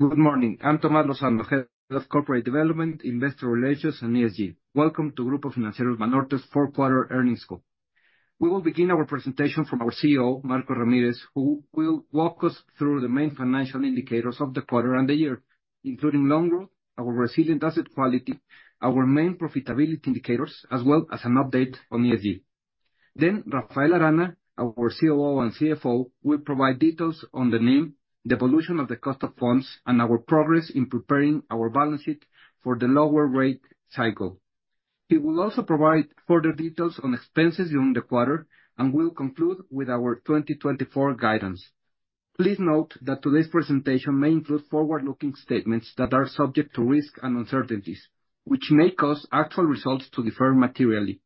Good morning. I'm Tomás Lozano, Head of Corporate Development, Investor Relations, and ESG. Welcome to Grupo Financiero Banorte's fourth quarter earnings call. We will begin our presentation from our CEO, Marcos Ramírez, who will walk us through the main financial indicators of the quarter and the year, including loan growth, our resilient asset quality, our main profitability indicators, as well as an update on ESG. Then Rafael Arana, our COO and CFO, will provide details on the NIM, the evolution of the cost of funds, and our progress in preparing our balance sheet for the lower rate cycle. He will also provide further details on expenses during the quarter, and we'll conclude with our 2024 guidance. Please note that today's presentation may include forward-looking statements that are subject to risks and uncertainties, which may cause actual results to differ materially.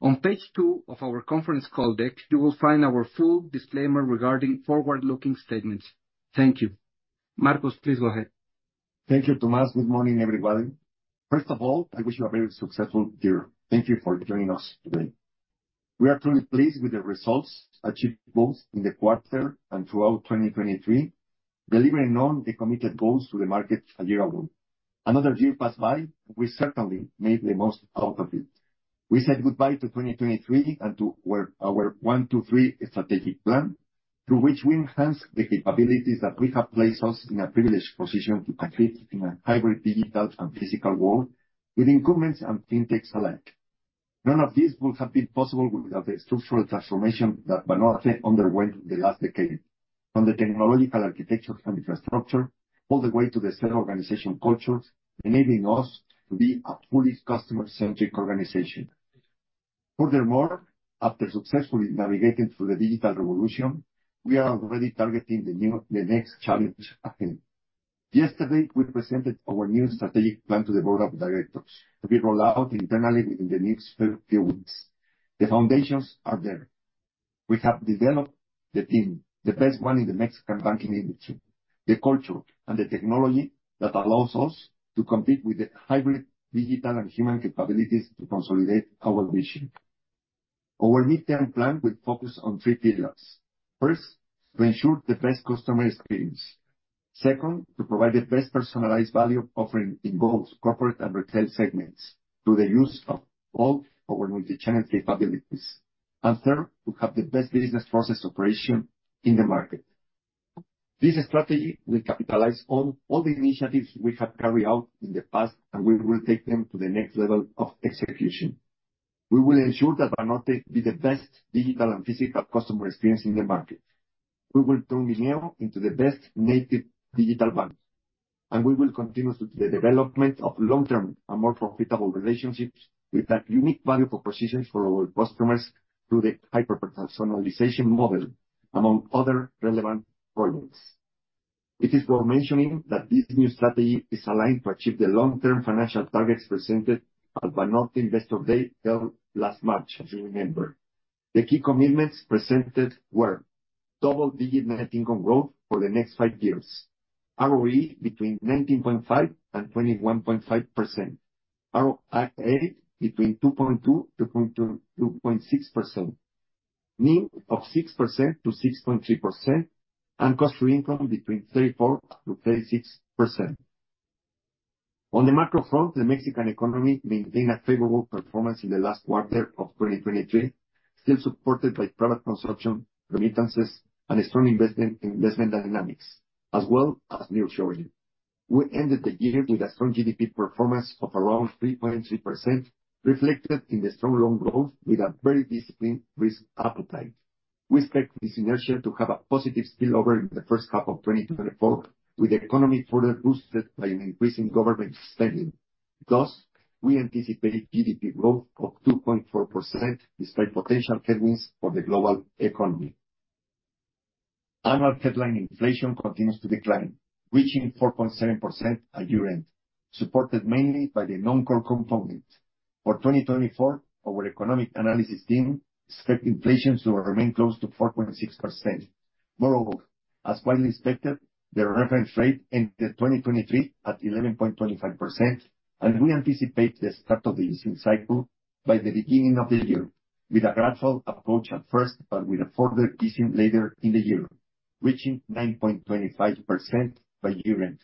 On page two of our conference call deck, you will find our full disclaimer regarding forward-looking statements. Thank you. Marcos, please go ahead. Thank you, Tomás. Good morning, everybody. First of all, I wish you a very successful year. Thank you for joining us today. We are truly pleased with the results achieved both in the quarter and throughout 2023, delivering on the committed goals to the market a year ago. Another year passed by, and we certainly made the most out of it. We said goodbye to 2023 and to our 1-2-3 strategic plan, through which we enhanced the capabilities that we have placed us in a privileged position to compete in a hybrid, digital, and physical world with incumbents and fintechs alike. None of this would have been possible without the structural transformation that Banorte underwent in the last decade, from the technological architectures and infrastructure, all the way to the self-organization cultures, enabling us to be a fully customer-centric organization. Furthermore, after successfully navigating through the digital revolution, we are already targeting the next challenge ahead. Yesterday, we presented our new strategic plan to the board of directors, to be rolled out internally within the next few weeks. The foundations are there. We have developed the team, the best one in the Mexican banking industry, the culture, and the technology that allows us to compete with the hybrid, digital, and human capabilities to consolidate our vision. Our midterm plan will focus on three pillars. First, to ensure the best customer experience. Second, to provide the best personalized value offering in both corporate and retail segments, through the use of all our multi-channel capabilities. And third, to have the best business process operation in the market. This strategy will capitalize on all the initiatives we have carried out in the past, and we will take them to the next level of execution. We will ensure that Banorte be the best digital and physical customer experience in the market. We will turn Bineo into the best native digital bank, and we will continue with the development of long-term and more profitable relationships with that unique value propositions for our customers through the hyper-personalization model, among other relevant projects. It is worth mentioning that this new strategy is aligned to achieve the long-term financial targets presented at Banorte Investor Day held last March, as you remember. The key commitments presented were double-digit net income growth for the next five years, ROE between 19.5% and 21.5%, ROA between 2.2% to 2.6%, NIM of 6% to 6.3%, and cost to income between 34% to 36%. On the macro front, the Mexican economy maintained a favorable performance in the last quarter of 2023, still supported by private consumption, remittances, and strong investment, investment dynamics, as well as nearshoring. We ended the year with a strong GDP performance of around 3.3%, reflected in the strong loan growth with a very disciplined risk appetite. We expect this inertia to have a positive spillover in the first half of 2024, with the economy further boosted by an increase in government spending. Thus, we anticipate GDP growth of 2.4%, despite potential headwinds for the global economy. Annual headline inflation continues to decline, reaching 4.7% at year-end, supported mainly by the non-core component. For 2024, our economic analysis team expect inflation to remain close to 4.6%. Moreover, as widely expected, the reference rate ended 2023 at 11.25%, and we anticipate the start of the easing cycle by the beginning of the year, with a gradual approach at first, but with a further easing later in the year, reaching 9.25% by year-end.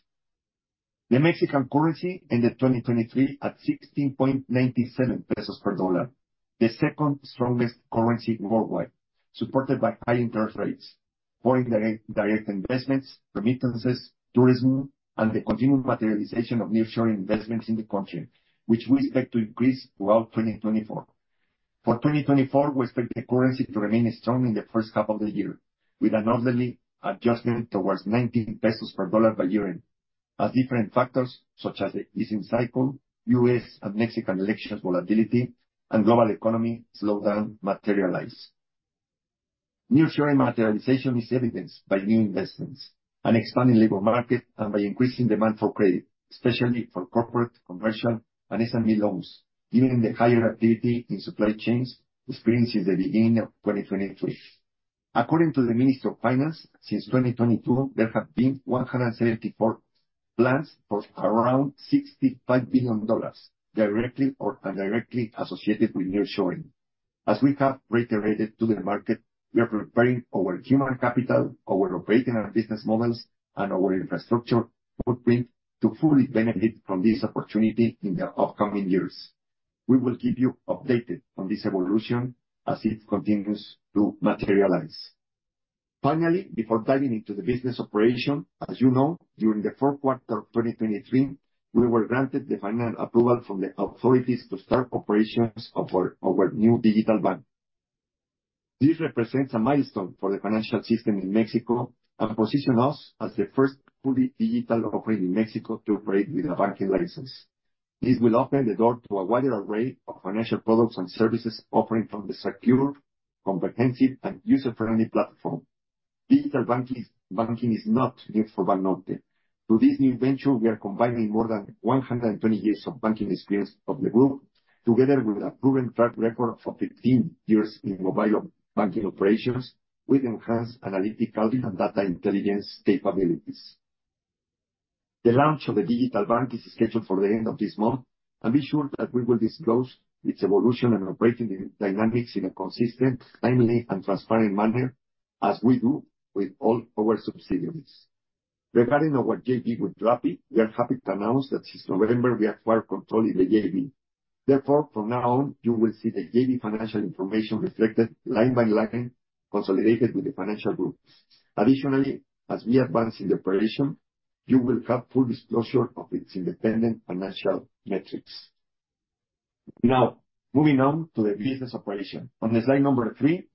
The Mexican currency ended 2023 at 16.97 pesos per USD, the second strongest currency worldwide, supported by high interest rates, foreign direct investments, remittances, tourism, and the continued materialization of nearshoring investments in the country, which we expect to increase throughout 2024. For 2024, we expect the currency to remain strong in the first half of the year, with an orderly adjustment towards 19 pesos per USD by year-end, as different factors, such as the easing cycle, U.S. and Mexican election volatility, and global economy slowdown materialize. Nearshoring materialization is evidenced by new investments and expanding labor market, and by increasing demand for credit, especially for corporate, commercial, and SMB loans, given the higher activity in supply chains experienced since the beginning of 2023. According to the Ministry of Finance, since 2022, there have been 174...... plans for around $65 billion dollars directly or indirectly associated with nearshoring. As we have reiterated to the market, we are preparing our human capital, our operating and business models, and our infrastructure footprint to fully benefit from this opportunity in the upcoming years. We will keep you updated on this evolution as it continues to materialize. Finally, before diving into the business operation, as you know, during the fourth quarter of 2023, we were granted the final approval from the authorities to start operations of our new digital bank. This represents a milestone for the financial system in Mexico and position us as the first fully digital operator in Mexico to operate with a banking license. This will open the door to a wider array of financial products and services offering from the secure, comprehensive, and user-friendly platform. Digital banking is not new for Banorte. To this new venture, we are combining more than 120 years of banking experience of the group, together with a proven track record for 15 years in mobile banking operations, with enhanced analytical and data intelligence capabilities. The launch of the digital bank is scheduled for the end of this month, and be sure that we will disclose its evolution and operating dynamics in a consistent, timely, and transparent manner, as we do with all our subsidiaries. Regarding our JV with Rappi, we are happy to announce that since November, we acquired control in the JV. Therefore, from now on, you will see the JV financial information reflected line by line, consolidated with the financial group. Additionally, as we advance in the operation, you will have full disclosure of its independent financial metrics. Now, moving on to the business operation. On the slide number 3,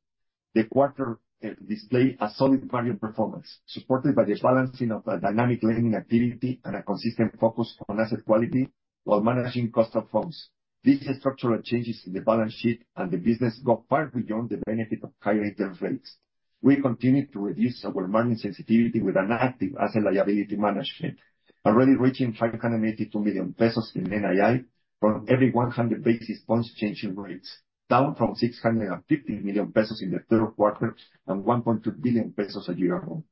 the quarter display a solid value performance, supported by the balancing of a dynamic lending activity and a consistent focus on asset quality while managing cost of funds. These structural changes in the balance sheet and the business go far beyond the benefit of higher interest rates. We continue to reduce our margin sensitivity with an active asset liability management, already reaching 582 million pesos in NII from every 100 basis points change in rates, down from 650 million pesos in the third quarter and 1.2 billion pesos a year ago.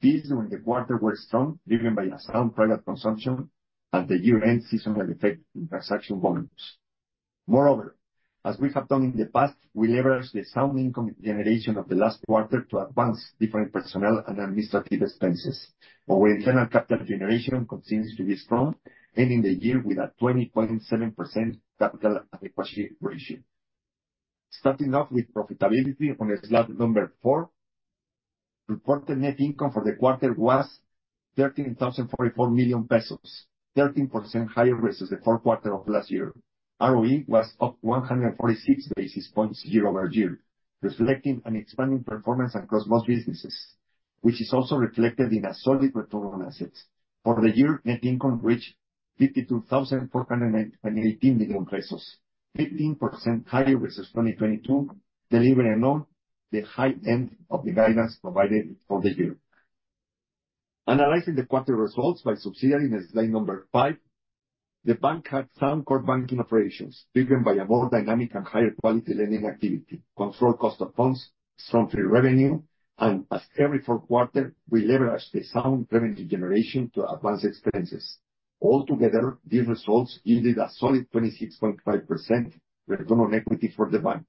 Fees during the quarter were strong, driven by a sound private consumption and the year-end seasonal effect in transaction volumes. Moreover, as we have done in the past, we leveraged the sound income generation of the last quarter to advance different personnel and administrative expenses. Our internal capital generation continues to be strong, ending the year with a 20.7% capital adequacy ratio. Starting off with profitability on slide 4, reported net income for the quarter was 13,044 million pesos, 13% higher versus the fourth quarter of last year. ROE was up 146 basis points year-over-year, reflecting an expanding performance across most businesses, which is also reflected in a solid return on assets. For the year, net income reached 52,418 million pesos, 15% higher versus 2022, delivering on the high end of the guidance provided for the year. Analyzing the quarter results by subsidiary in slide number 5, the bank had sound core banking operations, driven by a more dynamic and higher quality lending activity, controlled cost of funds, strong fee revenue, and as every fourth quarter, we leverage the sound revenue generation to advance expenses. Altogether, these results yielded a solid 26.5% return on equity for the bank.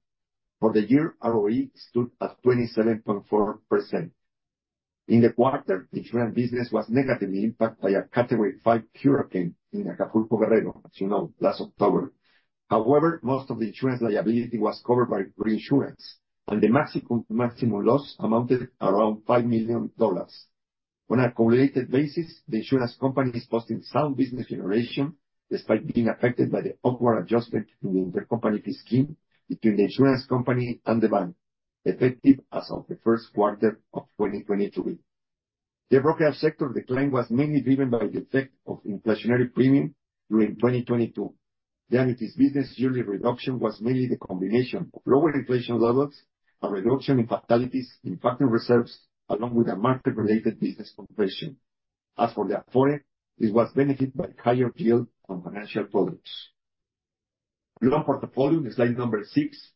For the year, ROE stood at 27.4%. In the quarter, insurance business was negatively impacted by a Category 5 hurricane in Acapulco, Guerrero, as you know, last October. However, most of the insurance liability was covered by reinsurance, and the maximum, maximum loss amounted around $5 million. On a correlated basis, the insurance company is posting sound business generation, despite being affected by the upward adjustment in the intercompany scheme between the insurance company and the bank, effective as of the first quarter of 2023. The brokerage sector decline was mainly driven by the effect of inflationary premium during 2022. The entity's business yearly reduction was mainly the combination of lower inflation levels, a reduction in fatalities, impacting reserves, along with a market-related business compression. As for the Afore, this was benefited by higher yield on financial products. Loan portfolio, in slide number 6,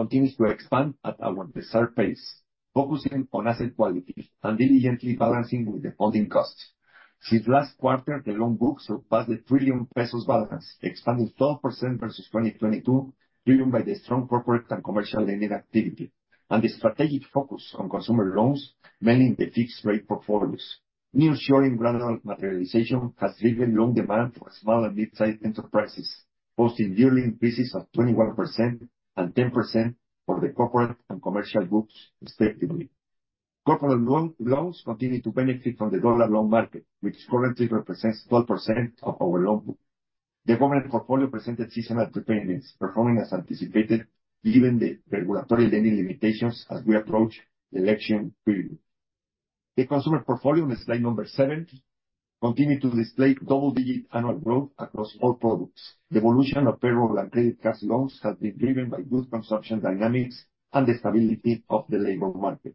continues to expand at our desired pace, focusing on asset quality and diligently balancing with the funding costs. Since last quarter, the loan book surpassed the 1 trillion pesos balance, expanding 12% versus 2022, driven by the strong corporate and commercial lending activity, and the strategic focus on consumer loans, mainly in the fixed rate portfolios. Nearshoring gradual materialization has driven loan demand for small and mid-sized enterprises, posting yearly increases of 21% and 10% for the corporate and commercial books, respectively. Corporate loans continue to benefit from the dollar loan market, which currently represents 12% of our loan book. The government portfolio presented seasonal dependence, performing as anticipated, given the regulatory lending limitations as we approach the election period. The consumer portfolio, on slide number 7, continued to display double-digit annual growth across all products. The evolution of payroll and credit card loans has been driven by good consumption dynamics and the stability of the labor market.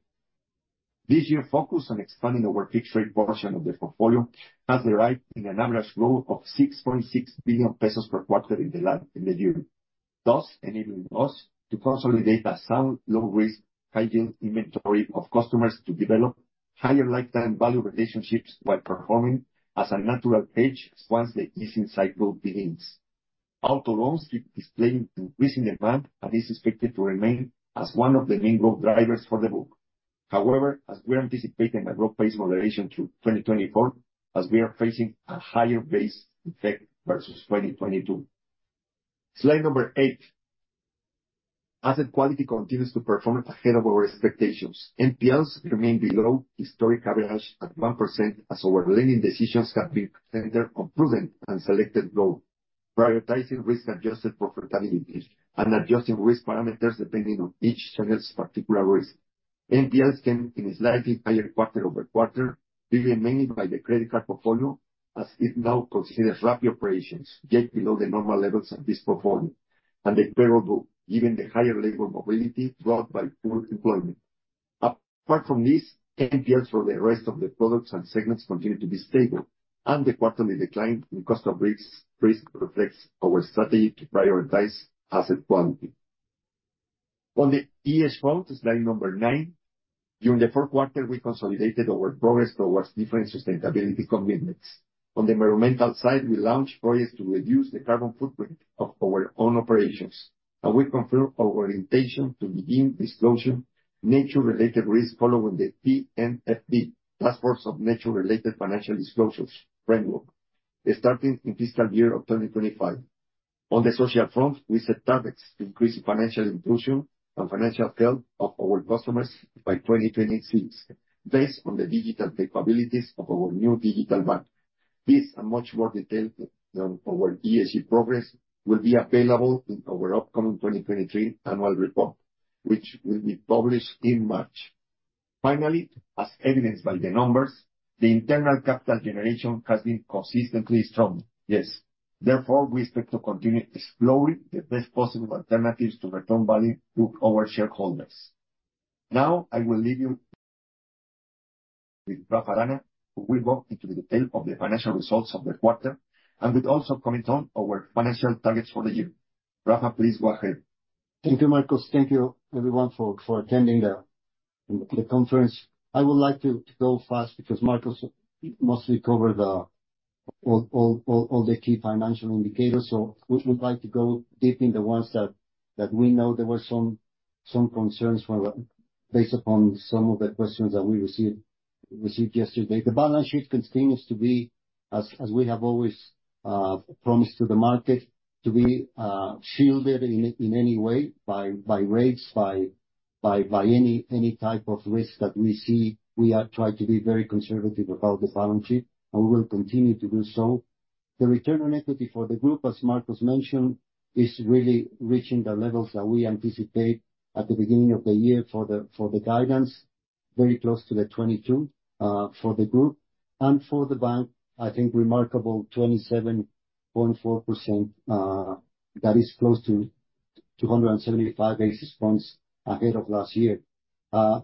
This year, focus on expanding our fixed rate portion of the portfolio has resulted in an average growth of 6.6 billion pesos per quarter in the year. Thus enabling us to consolidate a sound, low risk, high yield inventory of customers to develop higher lifetime value relationships while performing as a natural hedge once the easing cycle begins. Auto loans keep displaying increasing demand and is expected to remain as one of the main growth drivers for the book. However, as we are anticipating a growth pace moderation through 2024, as we are facing a higher base effect versus 2022. Slide 8. Asset quality continues to perform ahead of our expectations. NPLs remain below historic average at 1%, as our lending decisions have been centered on prudent and selected growth, prioritizing risk-adjusted profitability and adjusting risk parameters depending on each segment's particular risk. NPLs came in slightly higher quarter-over-quarter, mainly by the credit card portfolio, as it now considers Rappi operations, yet below the normal levels at this portfolio, and the payroll book, given the higher labor mobility brought by full employment. Apart from this, NPLs for the rest of the products and segments continue to be stable, and the quarterly decline in cost of risk reflects our strategy to prioritize asset quality. On the ESG front, slide number 9, during the fourth quarter, we consolidated our progress towards different sustainability commitments. On the environmental side, we launched projects to reduce the carbon footprint of our own operations, and we confirm our intention to begin disclosure nature-related risks following the TNFD, Taskforce on Nature-related Financial Disclosures framework, starting in fiscal year 2025. On the social front, we set targets to increase financial inclusion and financial health of our customers by 2026, based on the digital capabilities of our new digital bank. These are much more detailed on our ESG progress, will be available in our upcoming 2023 annual report, which will be published in March. Finally, as evidenced by the numbers, the internal capital generation has been consistently strong. Yes. Therefore, we expect to continue exploring the best possible alternatives to return value to our shareholders. Now, I will leave you with Rafael Arana, who will go into the detail of the financial results of the quarter, and will also comment on our financial targets for the year. Rafael, please go ahead. Thank you, Marcos. Thank you everyone for attending the conference. I would like to go fast because Marcos mostly covered all the key financial indicators. So we would like to go deep in the ones that we know there were some concerns for, based upon some of the questions that we received yesterday. The balance sheet continues to be, as we have always promised to the market, to be shielded in any way, by any type of risk that we see. We are trying to be very conservative about the balance sheet, and we will continue to do so. The return on equity for the group, as Marcos mentioned, is really reaching the levels that we anticipate at the beginning of the year for the guidance, very close to the 22% for the group. And for the bank, I think remarkable 27.4%, that is close to 275 basis points ahead of last year.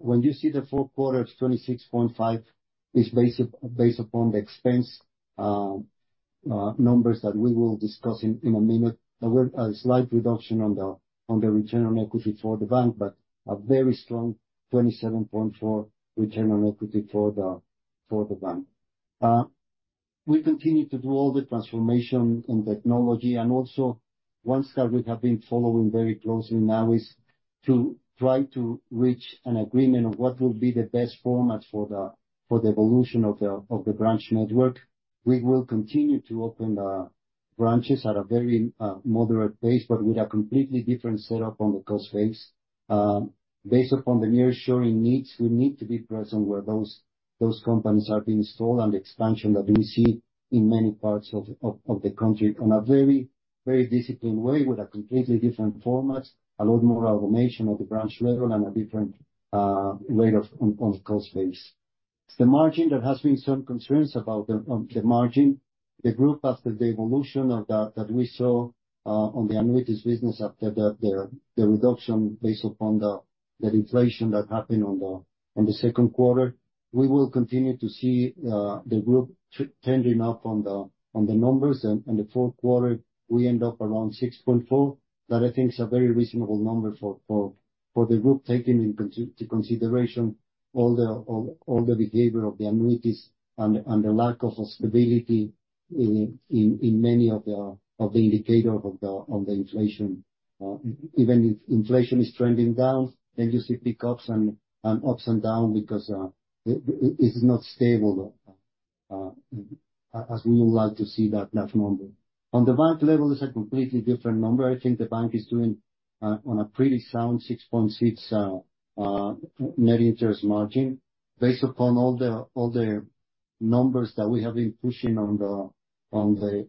When you see the fourth quarter of 26.5, is based upon the expense numbers that we will discuss in a minute. There were a slight reduction on the return on equity for the bank, but a very strong 27.4 return on equity for the bank. We continue to do all the transformation in technology, and also ones that we have been following very closely now is to try to reach an agreement on what will be the best format for the, for the evolution of the, of the branch network. We will continue to open the branches at a very, moderate pace, but with a completely different setup on the cost base. Based upon the nearshoring needs, we need to be present where those, those companies are being installed and the expansion that we see in many parts of, of, of the country, on a very, very disciplined way, with a completely different format, a lot more automation at the branch level and a different, rate of on, on cost base. The margin, there has been some concerns about the, the margin. The group after the evolution of that we saw on the annuities business after the reduction based upon the inflation that happened on the second quarter. We will continue to see the group trending up on the numbers. In the fourth quarter, we end up around 6.4. That I think is a very reasonable number for the group, taking into consideration all the behavior of the annuities and the lack of stability in many of the indicators of the on the inflation. Even if inflation is trending down, then you see pick-ups and ups and down because it is not stable as we would like to see that number. On the bank level, it's a completely different number. I think the bank is doing on a pretty sound 6.6 net interest margin. Based upon all the numbers that we have been pushing on the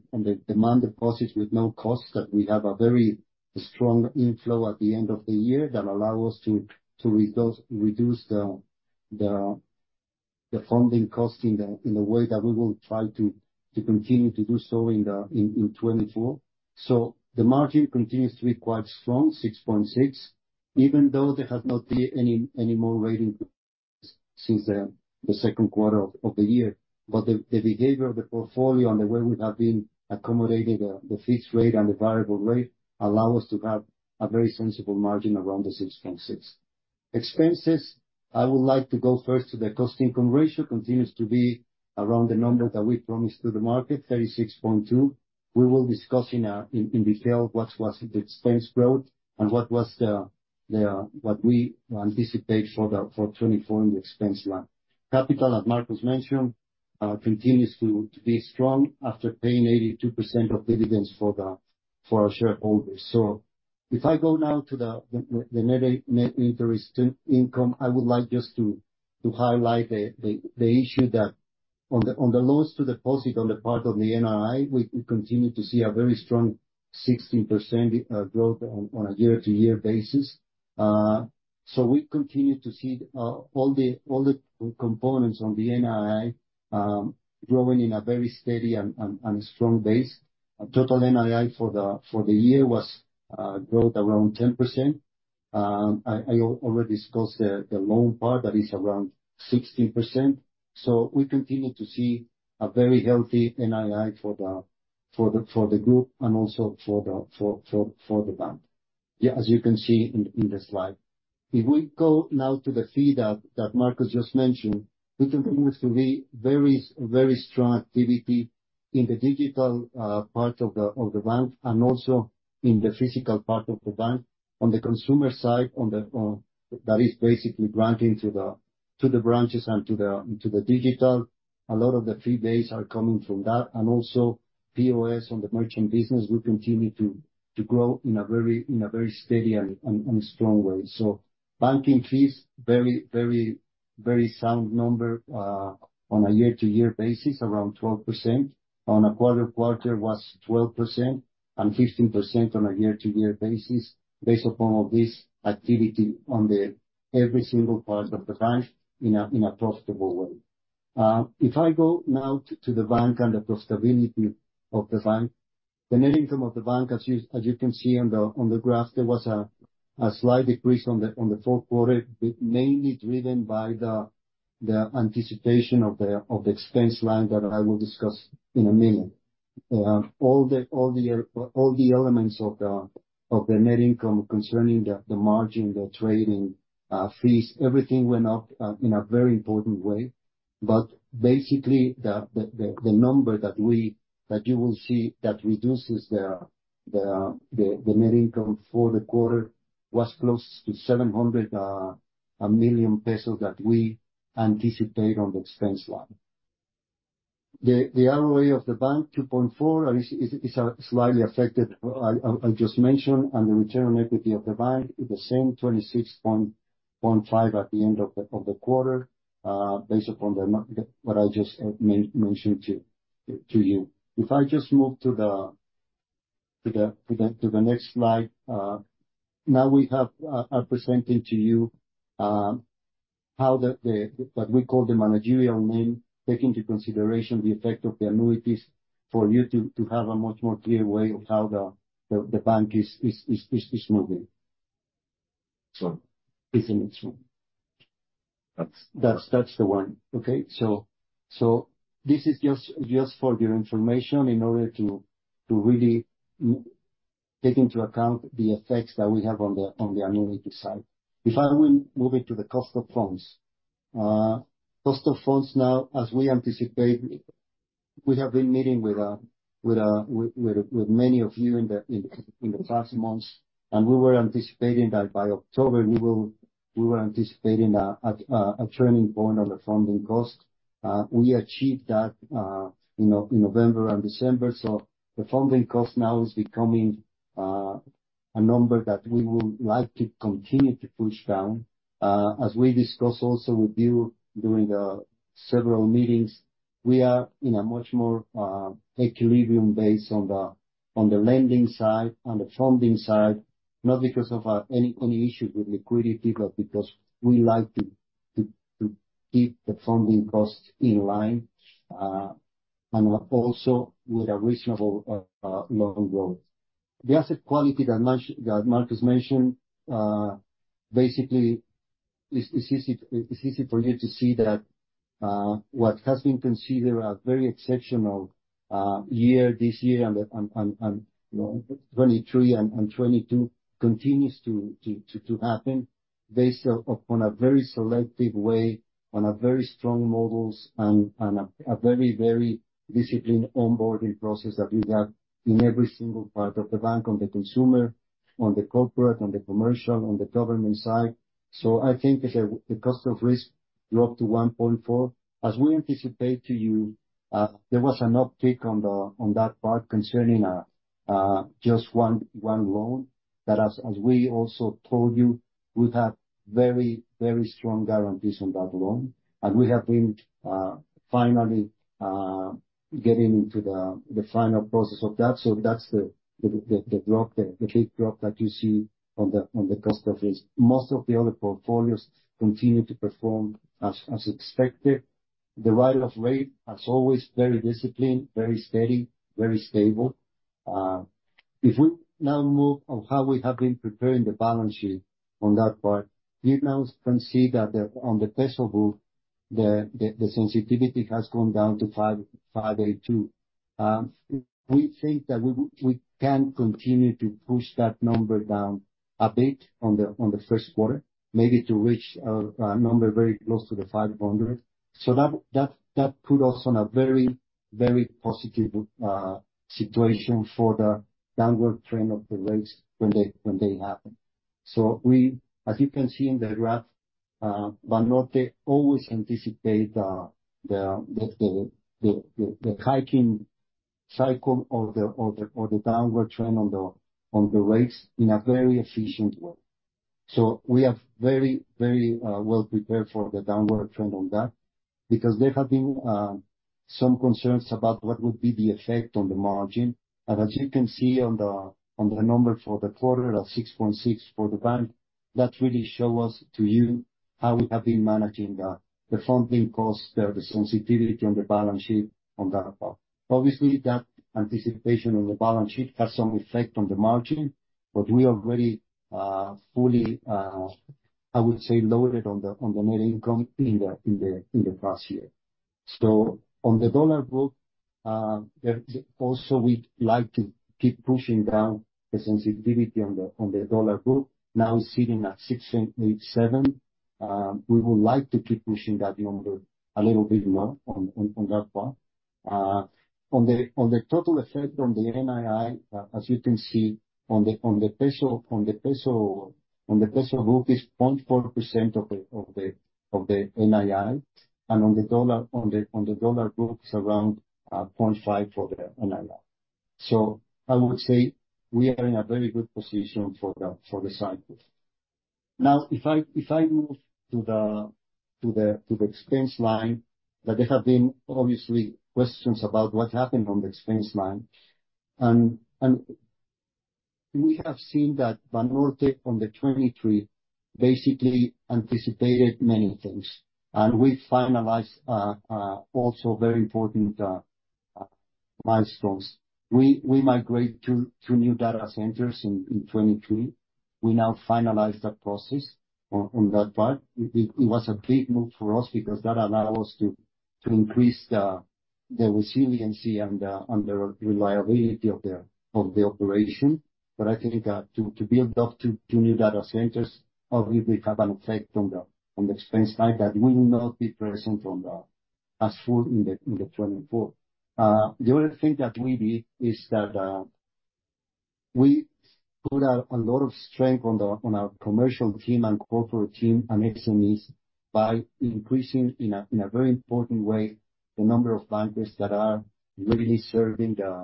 demand deposits with no cost, that we have a very strong inflow at the end of the year that allow us to reduce the funding cost in the way that we will try to continue to do so in 2024. So the margin continues to be quite strong, 6.6, even though there has not been any more rate hikes since the second quarter of the year. But the behavior of the portfolio and the way we have been accommodating the fixed rate and the variable rate allow us to have a very sensible margin around the 6.6. Expenses, I would like to go first to the cost-to-income ratio, continues to be around the number that we promised to the market, 36.2. We will discuss in detail what was the expense growth and what we anticipate for the for 2024 in the expense line. Capital, as Marcus mentioned, continues to be strong after paying 82% of dividends for our shareholders. So if I go now to the net interest income, I would like just to highlight the issue that on the loans to deposit on the part of the NII, we continue to see a very strong 16% growth on a year-to-year basis. So we continue to see all the components on the NII growing in a very steady and strong base. Total NII for the year was growth around 10%. I already discussed the loan part, that is around 16%. So we continue to see a very healthy NII for the group and also for the bank. Yeah, as you can see in the slide. If we go now to the fee that Marcus just mentioned, it continues to be very, very strong activity in the digital part of the bank, and also in the physical part of the bank. On the consumer side, that is basically granting to the branches and to the digital. A lot of the fee base are coming from that, and also POS on the merchant business will continue to grow in a very steady and strong way. So banking fees, very, very sound number on a year-to-year basis, around 12%. On a quarter-to-quarter was 12%, and 15% on a year-to-year basis, based upon all this activity on the every single part of the bank in a profitable way. If I go now to the bank and the profitability of the bank, the net income of the bank, as you can see on the graph, there was a slight decrease on the fourth quarter, but mainly driven by the anticipation of the expense line that I will discuss in a minute. All the elements of the net income concerning the margin, the trading, fees, everything went up in a very important way. But basically, the number that you will see, that reduces the net income for the quarter was close to 700 million pesos that we anticipate on the expense line. The ROE of the bank, 2.4, is slightly affected, I just mentioned, and the return on equity of the bank is the same, 26.5 at the end of the quarter, based upon what I just mentioned to you. If I just move to the next slide. Now we are presenting to you how what we call the managerial NIM takes into consideration the effect of the annuities for you to have a much more clear way of how the bank is moving. So it's in this one. That's the one. Okay, so this is just for your information, in order to really take into account the effects that we have on the annuity side. If I will move into the cost of funds. Cost of funds now, as we anticipate, we have been meeting with many of you in the past months, and we were anticipating that by October, we were anticipating a turning point on the funding cost. We achieved that in November and December. So the funding cost now is becoming a number that we would like to continue to push down. As we discussed also with you during the several meetings, we are in a much more equilibrium based on the lending side, on the funding side, not because of any issues with liquidity, but because we like to keep the funding cost in line, and also with a reasonable loan growth. The asset quality that Marcos mentioned, basically, it's easy, it's easy for you to see that what has been considered a very exceptional year, this year, and, and, and, and, you know, 2023 and 2022 continues to happen based upon a very selective way, on a very strong models and a very, very disciplined onboarding process that we have in every single part of the bank, on the consumer, on the corporate, on the commercial, on the government side. So I think the cost of risk dropped to 1.4%. As we anticipate to you, there was an uptick on that part concerning just one loan, that as we also told you, we have very, very strong guarantees on that loan, and we have been finally getting into the final process of that. So that's the drop, the big drop that you see on the cost of risk. Most of the other portfolios continue to perform as expected. The cost of risk, as always, very disciplined, very steady, very stable. If we now move on how we have been preparing the balance sheet, on that part, you now can see that on the peso book, the sensitivity has gone down to 55.82. We think that we can continue to push that number down a bit on the first quarter, maybe to reach a number very close to 500. So that put us on a very positive situation for the downward trend of the rates when they happen. So we—as you can see in the graph, Banorte always anticipate the hiking cycle or the downward trend on the rates in a very efficient way. So we are very well prepared for the downward trend on that, because there have been some concerns about what would be the effect on the margin. As you can see on the number for the quarter, the 6.6 for the bank, that really show us to you how we have been managing the funding cost, the sensitivity on the balance sheet on that part. Obviously, that anticipation on the balance sheet has some effect on the margin, but we are very fully, I would say, loaded on the net income in the past year. So on the dollar book, also, we'd like to keep pushing down the sensitivity on the dollar book, now sitting at 6.87. We would like to keep pushing that number a little bit more on that part. On the total effect on the NII, as you can see on the peso book, is 0.4% of the NII, and on the dollar book, it's around 0.5% for the NII. So I would say we are in a very good position for the cycles. Now, if I move to the expense line, that there have been obviously questions about what happened on the expense line. And we have seen that Banorte, on the 2023, basically anticipated many things, and we finalized also very important milestones. We migrate to new data centers in 2023. We now finalize that process on that part. It was a big move for us, because that allowed us to increase the resiliency and the reliability of the operation. But I think to build up to new data centers obviously have an effect on the expense side that will not be present on the... as full in the 2024. The other thing that we did is that we put a lot of strength on our commercial team and corporate team and SMEs by increasing in a very important way the number of bankers that are really serving the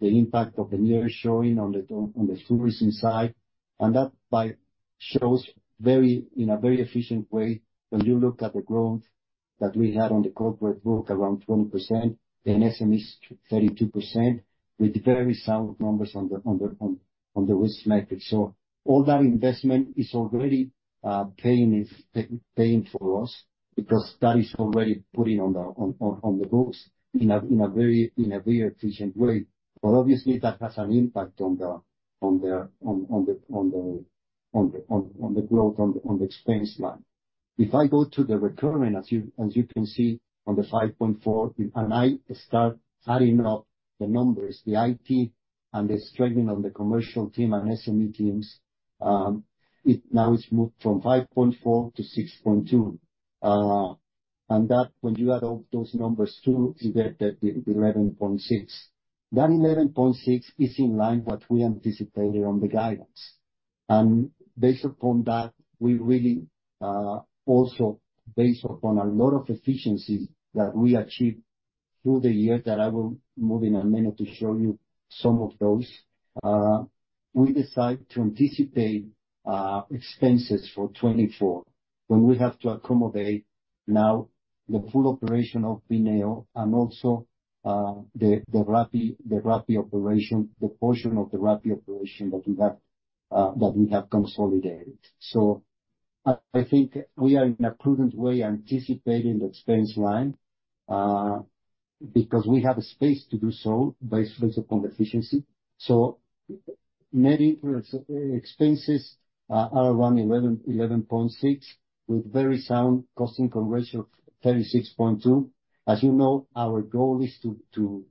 impact of the nearshoring on the tourism side. And thereby shows very in a very efficient way, when you look at the growth that we had on the corporate book, around 20%, in SMEs, 32%, with very sound numbers on the risk metric. So all that investment is already paying its, paying for us, because that is already putting on the books in a very efficient way. But obviously, that has an impact on the growth on the expense line. If I go to the recurring, as you can see on the 5.4, and I start adding up the numbers, the IT and the strengthening on the commercial team and SME teams, it now is moved from 5.4 to 6.2. And that, when you add up those numbers to, you get the, the 11.6. That 11.6 is in line what we anticipated on the guidance. Based upon that, we really also based upon a lot of efficiencies that we achieved through the year, that I will move in a minute to show you some of those, we decide to anticipate expenses for 2024, when we have to accommodate now the full operation of bineo, and also the Rappi operation, the portion of the Rappi operation that we have that we have consolidated. So I think we are in a prudent way anticipating the expense line, because we have a space to do so based upon the efficiency. So net interest expenses are around 11, 11.6, with very sound cost income ratio of 36.2. As you know, our goal is to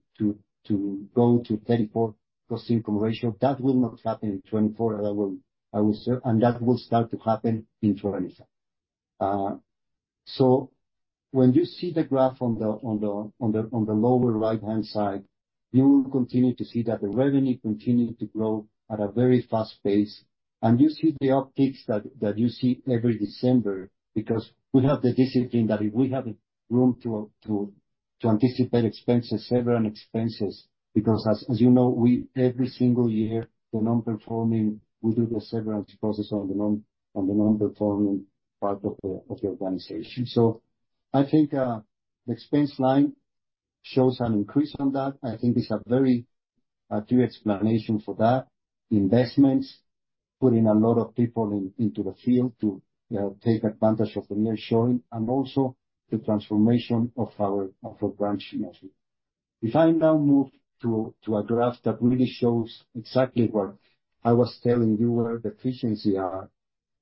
go to 34 cost income ratio. That will not happen in 2024, and I will, I will say, and that will start to happen in 2025. So when you see the graph on the lower right-hand side, you will continue to see that the revenue continue to grow at a very fast pace. And you see the upticks that you see every December, because we have the discipline that if we have the room to anticipate expenses, severance expenses, because as you know, we every single year, the non-performing, we do the severance process on the non-performing part of the organization. So I think the expense line shows an increase on that. I think it's a very two explanations for that: investments-... Putting a lot of people into the field to take advantage of the new showing, and also the transformation of our branch model. If I now move to a graph that really shows exactly what I was telling you, where the efficiency are,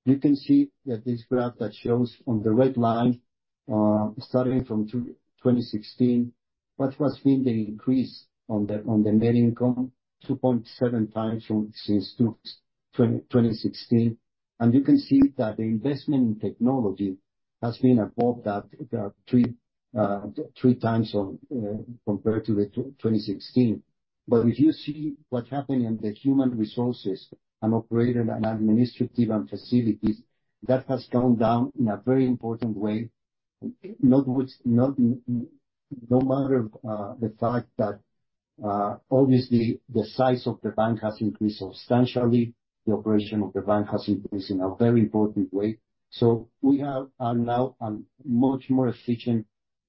you can see that this graph that shows on the red line, starting from 2016, what has been the increase on the net income, 2.7 times from since 2016. And you can see that the investment in technology has been above that, 3 times compared to 2016. But if you see what happened in the human resources, and operating, and administrative, and facilities, that has gone down in a very important way, no matter the fact that obviously the size of the bank has increased substantially, the operation of the bank has increased in a very important way. So we have now a much more efficient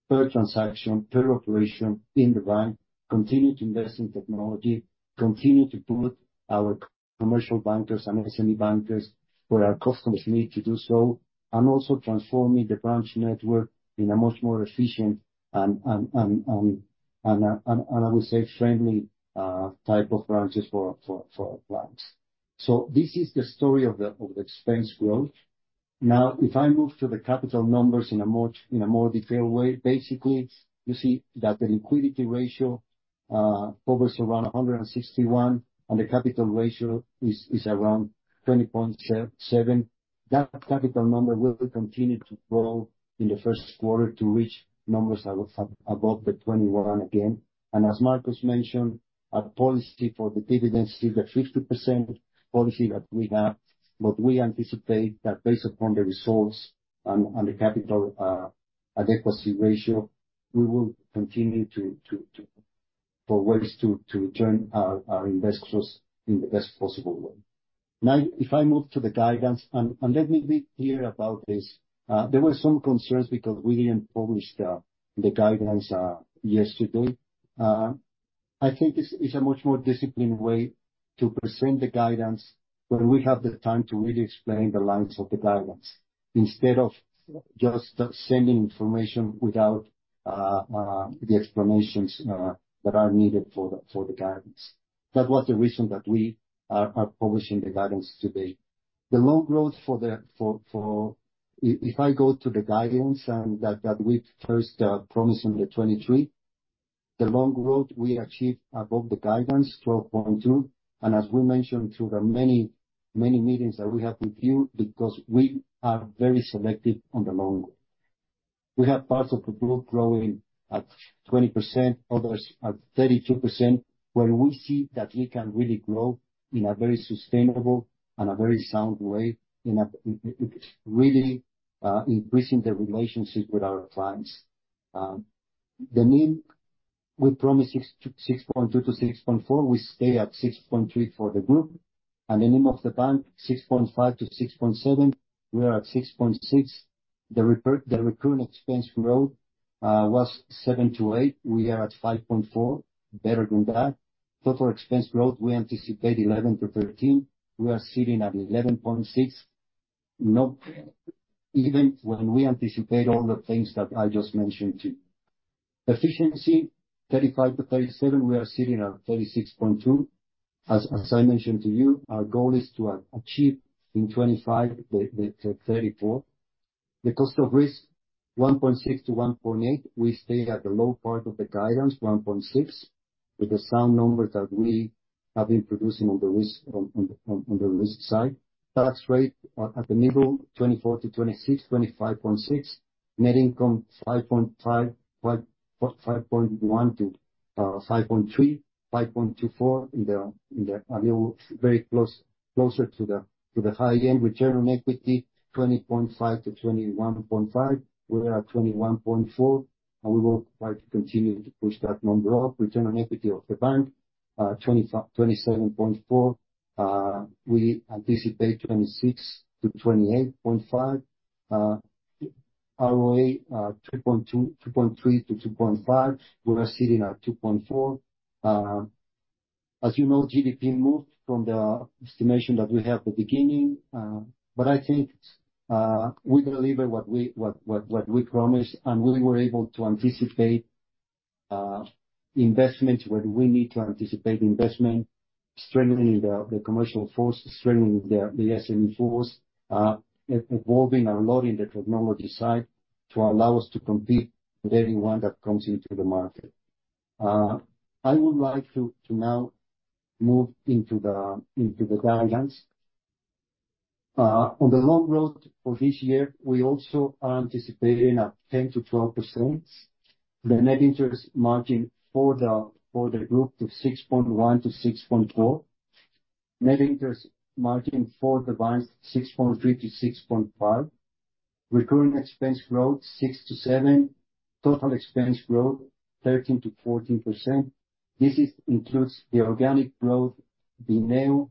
per transaction, per operation in the bank, continue to invest in technology, continue to put our commercial bankers and SME bankers where our customers need to do so, and also transforming the branch network in a much more efficient and I would say friendly type of branches for our clients. So this is the story of the expense growth. Now, if I move to the capital numbers in a much more detailed way, basically, you see that the liquidity ratio hovers around 161, and the capital ratio is around 20.7. That capital number will continue to grow in the first quarter to reach numbers above 21 again. And as Marcos mentioned, our policy for the dividend is still the 50% policy that we have, but we anticipate that based upon the results and the capital adequacy ratio, we will continue to find ways to return our investors in the best possible way. Now, if I move to the guidance, and let me be clear about this, there were some concerns because we didn't publish the guidance yesterday. I think this is a much more disciplined way to present the guidance when we have the time to really explain the lines of the guidance, instead of just sending information without the explanations that are needed for the guidance. That was the reason that we are publishing the guidance today. The loan growth for the—if I go to the guidance, and that we first promised in 2023, the loan growth we achieved above the guidance, 12.2%, and as we mentioned through the many, many meetings that we had with you, because we are very selective on the loan growth. We have parts of the group growing at 20%, others at 32%, where we see that we can really grow in a very sustainable and a very sound way, really increasing the relationship with our clients. The NIM, we promised 6.2%-6.4%, we stay at 6.3% for the group. The NIM of the bank, 6.5%-6.7%, we are at 6.6%. The recurring expense growth was 7%-8%, we are at 5.4%, better than that. Total expense growth, we anticipate 11%-13%, we are sitting at 11.6%, not even when we anticipate all the things that I just mentioned to you. Efficiency, 35%-37%, we are sitting at 36.2%. As I mentioned to you, our goal is to achieve, in 2025, the 34%. The cost of risk 1.6%-1.8%, we stay at the low part of the guidance, 1.6%, with the sound numbers that we have been producing on the risk side. Tax rate, at the middle, 24%-26%, 25.6%. Net income, 5.55, 5.1-5.3, 5.24. Very close, closer to the high end. Return on equity, 20.5%-21.5%, we are at 21.4%, and we will like to continue to push that number up. Return on equity of the bank, 27.4%, we anticipate 26%-28.5%. ROA, 2.2, 2.3-2.5, we are sitting at 2.4. As you know, GDP moved from the estimation that we had at the beginning, but I think, we deliver what we promised, and we were able to anticipate investment where we need to anticipate investment, strengthening the commercial force, strengthening the SME force, evolving a lot in the technology side, to allow us to compete with anyone that comes into the market. I would like to now move into the guidance. On the loan growth for this year, we also are anticipating a 10%-12%. The net interest margin for the group to 6.1-6.4. Net interest margin for the bank, 6.3-6.5. Recurring expense growth, 6-7. Total expense growth, 13%-14%. Includes the organic growth, the new,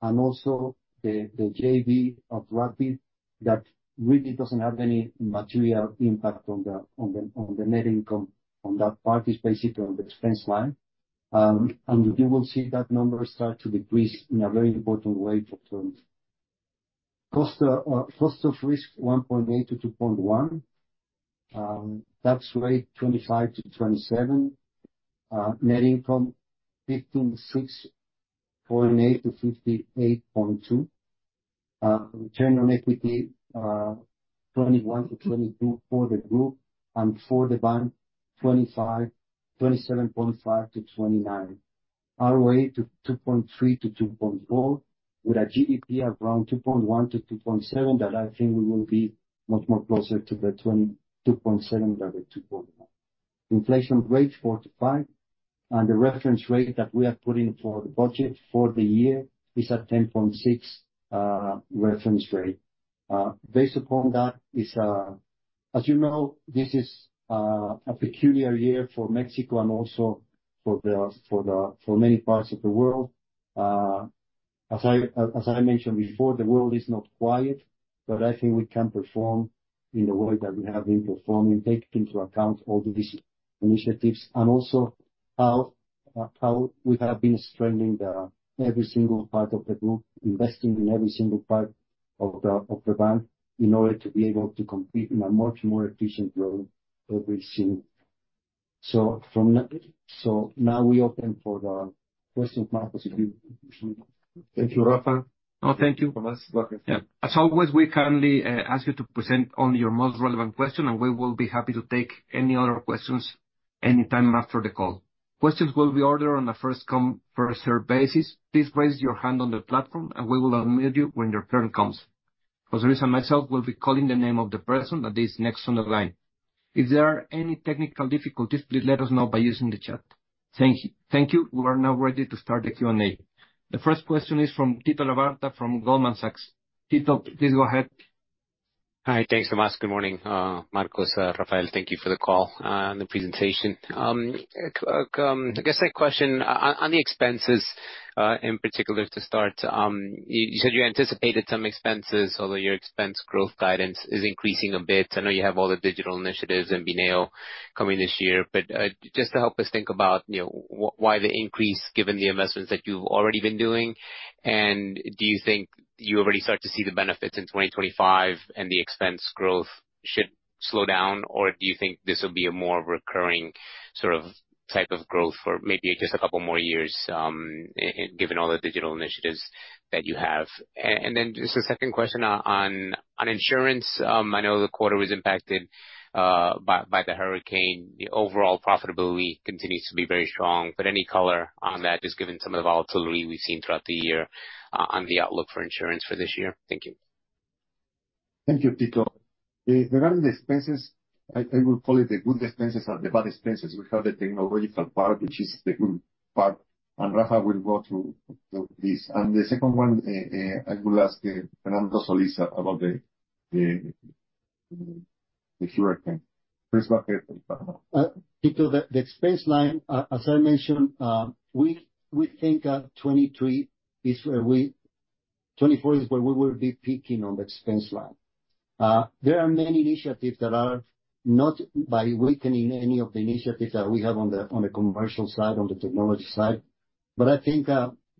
and also the, the JV of Rappi, that really doesn't have any material impact on the, on the, on the net income, on that part, it's basically on the expense line... and you will see that number start to decrease in a very important way for terms. Cost of risk, 1.8-2.1. Tax rate, 25-27. Net income, 56.8-58.2. Return on equity, 21-22 for the group, and for the bank, 25, 27.5-29. ROA 2.3-2.4, with a GDP of around 2.1-2.7, that I think we will be much more closer to the 2.7 than the 2.1. Inflation rate 4.5, and the reference rate that we are putting for the budget for the year is at 10.6, reference rate. Based upon that, as you know, this is a peculiar year for Mexico and also for many parts of the world. As I, as I mentioned before, the world is not quiet, but I think we can perform in the way that we have been performing, taking into account all of these initiatives, and also how, how we have been strengthening the every single part of the group, investing in every single part of the, of the bank, in order to be able to compete in a much more efficient way than we've seen. So now we open for the questions mark, if you, if you- Thank you, Rafael. No, thank you. Tomás. Welcome. Yeah. As always, we kindly ask you to present only your most relevant question, and we will be happy to take any other questions anytime after the call. Questions will be ordered on a first come, first serve basis. Please raise your hand on the platform, and we will unmute you when your turn comes. José and myself will be calling the name of the person that is next on the line. If there are any technical difficulties, please let us know by using the chat. Thank you. Thank you. We are now ready to start the Q&A. The first question is from Tito Labarta, from Goldman Sachs. Tito, please go ahead. Hi. Thanks, Tomás. Good morning, Marcos, Rafael, thank you for the call and the presentation. I guess my question on the expenses, in particular to start, you said you anticipated some expenses, although your expense growth guidance is increasing a bit. I know you have all the digital initiatives and bineo coming this year, but just to help us think about, you know, why the increase, given the investments that you've already been doing? And do you think you already start to see the benefits in 2025, and the expense growth should slow down, or do you think this will be a more recurring sort of type of growth for maybe just a couple more years, given all the digital initiatives that you have? And then just a second question on insurance. I know the quarter was impacted by the hurricane. The overall profitability continues to be very strong, but any color on that, just given some of the volatility we've seen throughout the year, on the outlook for insurance for this year? Thank you. Thank you, Tito. Regarding the expenses, I will call it the good expenses and the bad expenses. We have the technological part, which is the good part, and Rafa will go through this. And the second one, I will ask Fernando Solís about the insurance. Please go ahead, Rafael. Tito, the expense line, as I mentioned, we think 2023 is where we-- 2024 is where we will be peaking on the expense line. There are many initiatives that are not by weakening any of the initiatives that we have on the commercial side, on the technology side, but I think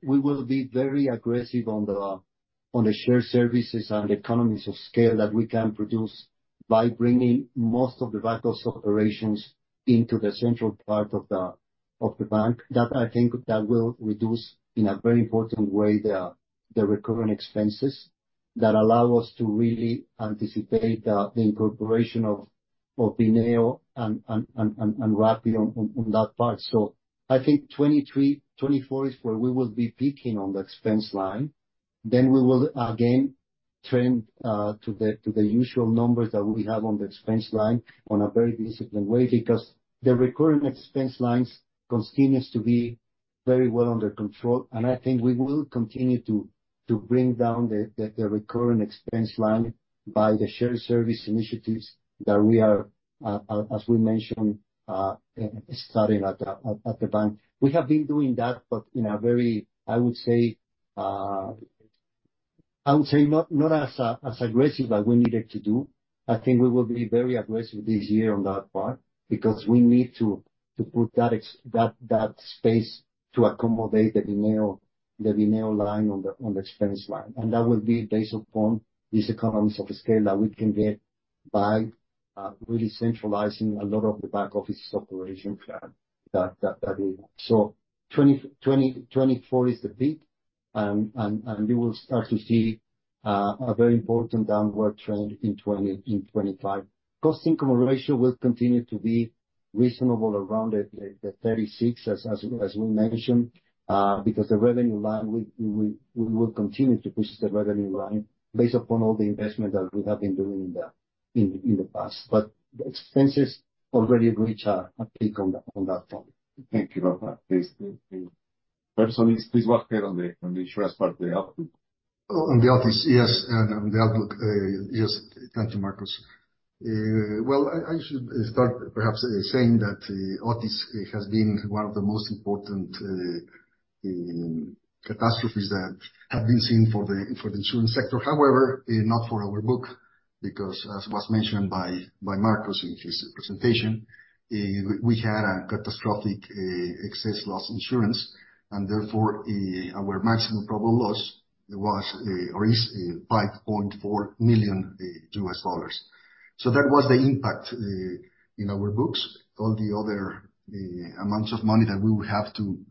we will be very aggressive on the shared services and the economies of scale that we can produce by bringing most of the back office operations into the central part of the bank. That I think that will reduce, in a very important way, the recurring expenses that allow us to really anticipate the incorporation of bineo and Rappi on that part. So I think 2023, 2024 is where we will be peaking on the expense line. Then we will again trend to the usual numbers that we have on the expense line on a very disciplined way, because the recurring expense lines continues to be very well under control. And I think we will continue to bring down the recurring expense line by the shared service initiatives that we are, as we mentioned, starting at the bank. We have been doing that, but in a very, I would say, not as aggressive as we needed to do. I think we will be very aggressive this year on that part, because we need to put that space to accommodate the bineo, the bineo line on the expense line. And that will be based upon these economies of scale that we can get by really centralizing a lot of the back office operations that we have. So 2024 is the peak, and we will start to see a very important downward trend in 2025. Cost income ratio will continue to be reasonable around the 36, as we mentioned, because the revenue line, we will continue to push the revenue line based upon all the investment that we have been doing in the past. But expenses already reach a peak on that front. Thank you, Rafa. Please, thank you. Fernando Solís, please go ahead on the insurance part of the outlook. On the outlook, yes. On the outlook, yes, thank you, Marcos. Well, I should start perhaps saying that Otis has been one of the most important, in-... catastrophes that have been seen for the insurance sector. However, not for our book, because as was mentioned by Marcos in his presentation, we had a catastrophic excess loss insurance, and therefore, our maximum probable loss was or is $5.4 million. So that was the impact in our books. All the other amounts of money that we would have to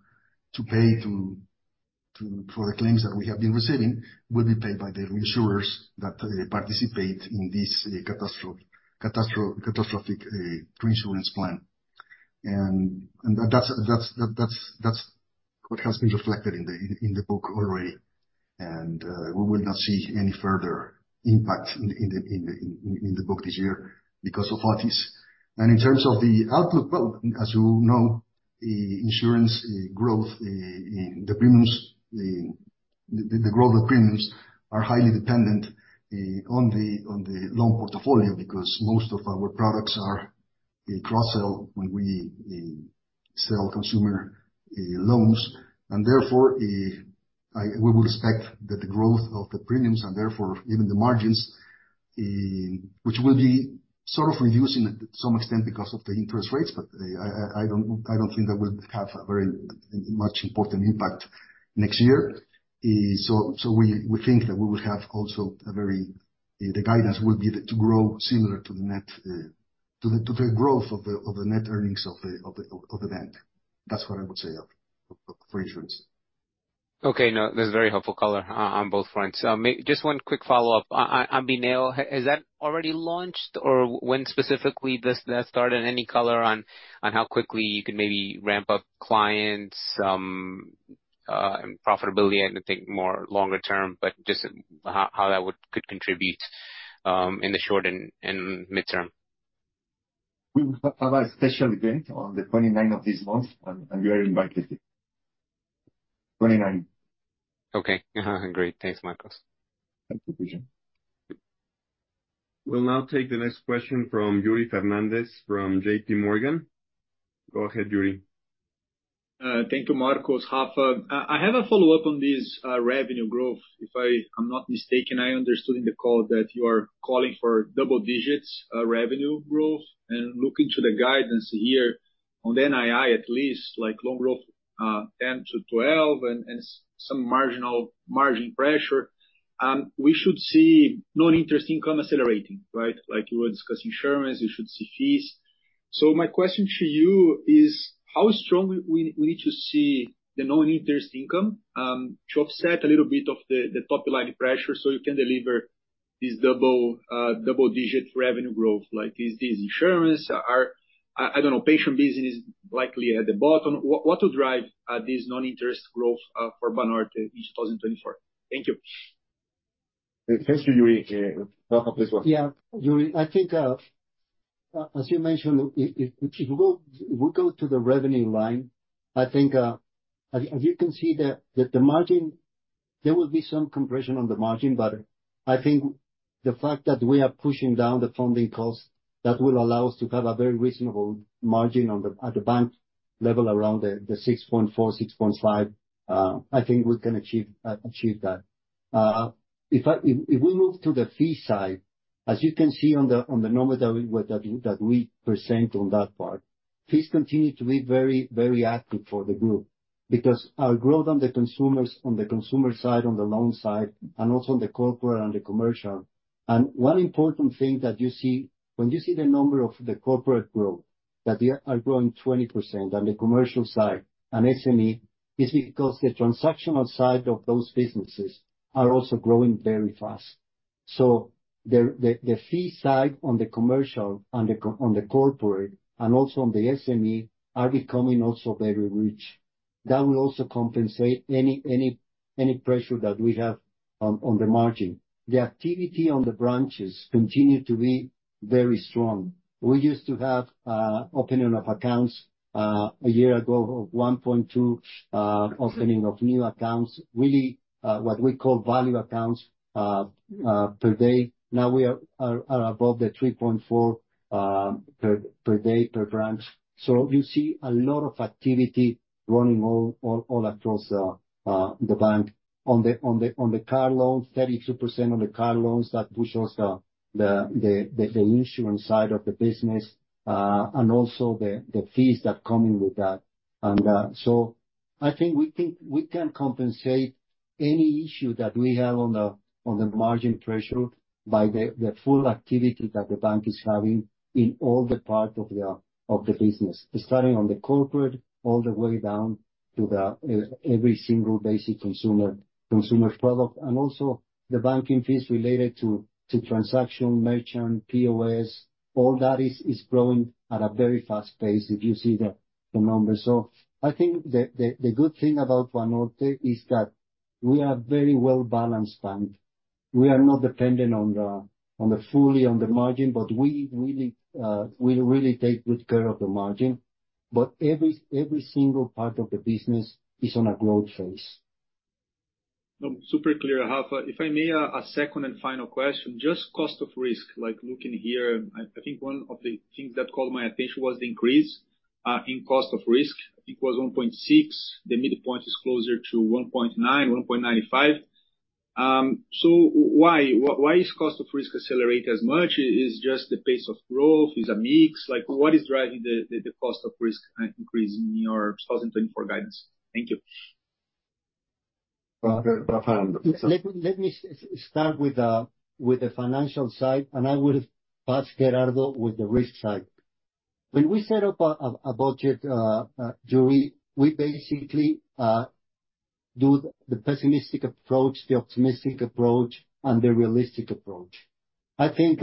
pay for the claims that we have been receiving will be paid by the reinsurers that participate in this catastrophic reinsurance plan. And that's what has been reflected in the book already. And we will not see any further impact in the book this year because of Otis. In terms of the outlook, well, as you know, insurance growth in the premiums, the growth of premiums are highly dependent on the loan portfolio, because most of our products are a cross-sell when we sell consumer loans. And therefore, we would expect that the growth of the premiums, and therefore even the margins, which will be sort of reducing at some extent because of the interest rates, but I don't think that will have a very much important impact next year. So we think that we will have also a very... The guidance will be to grow similar to the net, to the growth of the net earnings of the bank. That's what I would say, for insurance. Okay. No, that's very helpful color on both fronts. Just one quick follow-up. Fernando, is that already launched, or when specifically does that start? And any color on how quickly you can maybe ramp up clients and profitability? I think more longer term, but just how that would could contribute in the short and mid-term. We will have a special event on the 29 of this month, and you are invited. 29. Okay. Huh, great. Thanks, Marcos. Thank you, Fernando. We'll now take the next question from Yuri Fernandez from JP Morgan. Go ahead, Yuri. Thank you, Marcos, Rafa. I have a follow-up on this revenue growth. If I am not mistaken, I understood in the call that you are calling for double-digit revenue growth. And looking to the guidance here on the NII, at least, like loan growth 10-12, and some marginal margin pressure, we should see non-interest income accelerating, right? Like you were discussing insurance, you should see fees. So my question to you is, how strong we need to see the non-interest income to offset a little bit of the top line pressure so you can deliver this double-digit revenue growth, like, is this insurance? Or, I don't know, pension business likely at the bottom. What to drive this non-interest growth for Banorte in 2024? Thank you. Thanks to Yuri. Rafael, please go ahead. Yeah, Yuri, I think, as you mentioned, if you go, we go to the revenue line, I think, as you can see the margin, there will be some compression on the margin, but I think the fact that we are pushing down the funding cost, that will allow us to have a very reasonable margin on the, at the bank level, around the 6.4-6.5. I think we can achieve that. If we move to the fee side, as you can see on the number that we present on that part, fees continue to be very, very active for the group. Because our growth on the consumers, on the consumer side, on the loan side, and also on the corporate and the commercial. One important thing that you see when you see the number of the corporate growth, that they are growing 20% on the commercial side and SME, is because the transactional side of those businesses are also growing very fast. So the fee side on the commercial and the corporate and also on the SME, are becoming also very rich. That will also compensate any pressure that we have on the margin. The activity on the branches continue to be very strong. We used to have opening of accounts a year ago of 1.2 opening of new accounts, really, what we call value accounts per day. Now, we are above the 3.4 per day per branch. So you see a lot of activity running all across the bank. On the car loans, 32% on the car loans, that push us the insurance side of the business, and also the fees that come in with that. And, so I think we can compensate any issue that we have on the margin pressure, by the full activity that the bank is having in all the parts of the business. Starting on the corporate, all the way down to the every single basic consumer, consumer product, and also the banking fees related to transaction, merchant, POS, all that is growing at a very fast pace, if you see the numbers. So I think the good thing about Banorte is that we are a very well-balanced bank. We are not dependent on the fully on the margin, but we really take good care of the margin. But every single part of the business is on a growth phase. ... No, super clear, Rafael. If I may, a second and final question, just cost of risk, like looking here, I think one of the things that caught my attention was the increase in cost of risk. I think it was 1.6, the midpoint is closer to 1.9, 1.95. So why is cost of risk accelerate as much? Is just the pace of growth? Is it mix? Like, what is driving the cost of risk increase in your 2024 guidance? Thank you. Rafael. Let me start with the financial side, and I will pass Gerardo with the risk side. When we set up a budget, Yuri, we basically do the pessimistic approach, the optimistic approach, and the realistic approach. I think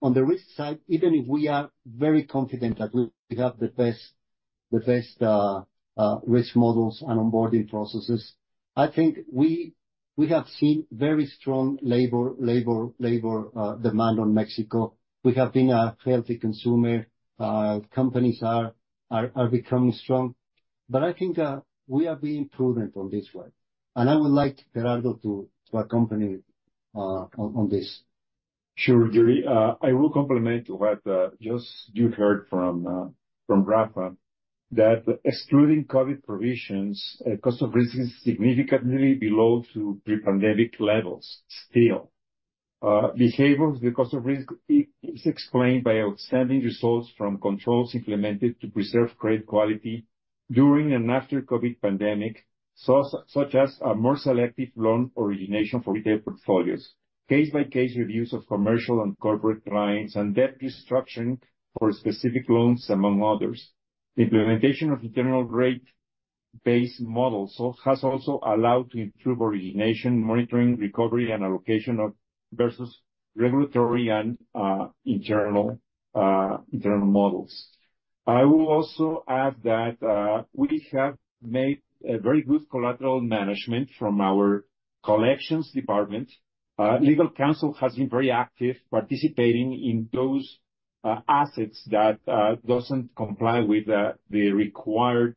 on the risk side, even if we are very confident that we have the best risk models and onboarding processes, I think we have seen very strong labor demand on Mexico. We have been a healthy consumer. Companies are becoming strong, but I think we are being prudent on this one, and I would like Gerardo to accompany on this. Sure, Yuri. I will complement what just you heard from from Rafael, that excluding COVID provisions, cost of risk is significantly below to pre-pandemic levels still. Behaviors, the cost of risk is explained by outstanding results from controls implemented to preserve credit quality during and after COVID pandemic, such as a more selective loan origination for retail portfolios, case-by-case reviews of commercial and corporate clients, and debt destruction for specific loans, among others. The implementation of internal rate-based models has also allowed to improve origination, monitoring, recovery, and allocation of capital versus regulatory and internal models. I will also add that we have made a very good collateral management from our collections department. Legal counsel has been very active participating in those assets that doesn't comply with the required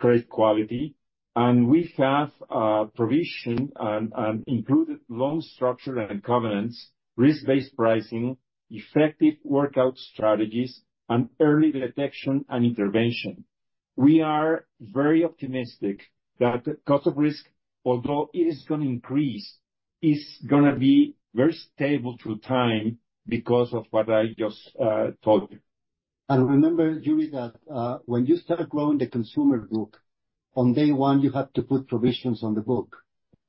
credit quality. We have provision and improved loan structure and covenants, risk-based pricing, effective workout strategies, and early detection and intervention. We are very optimistic that Cost of Risk, although it is gonna increase, is gonna be very stable through time because of what I just told you. And remember, Yuri, that when you start growing the consumer group, on day one, you have to put provisions on the book.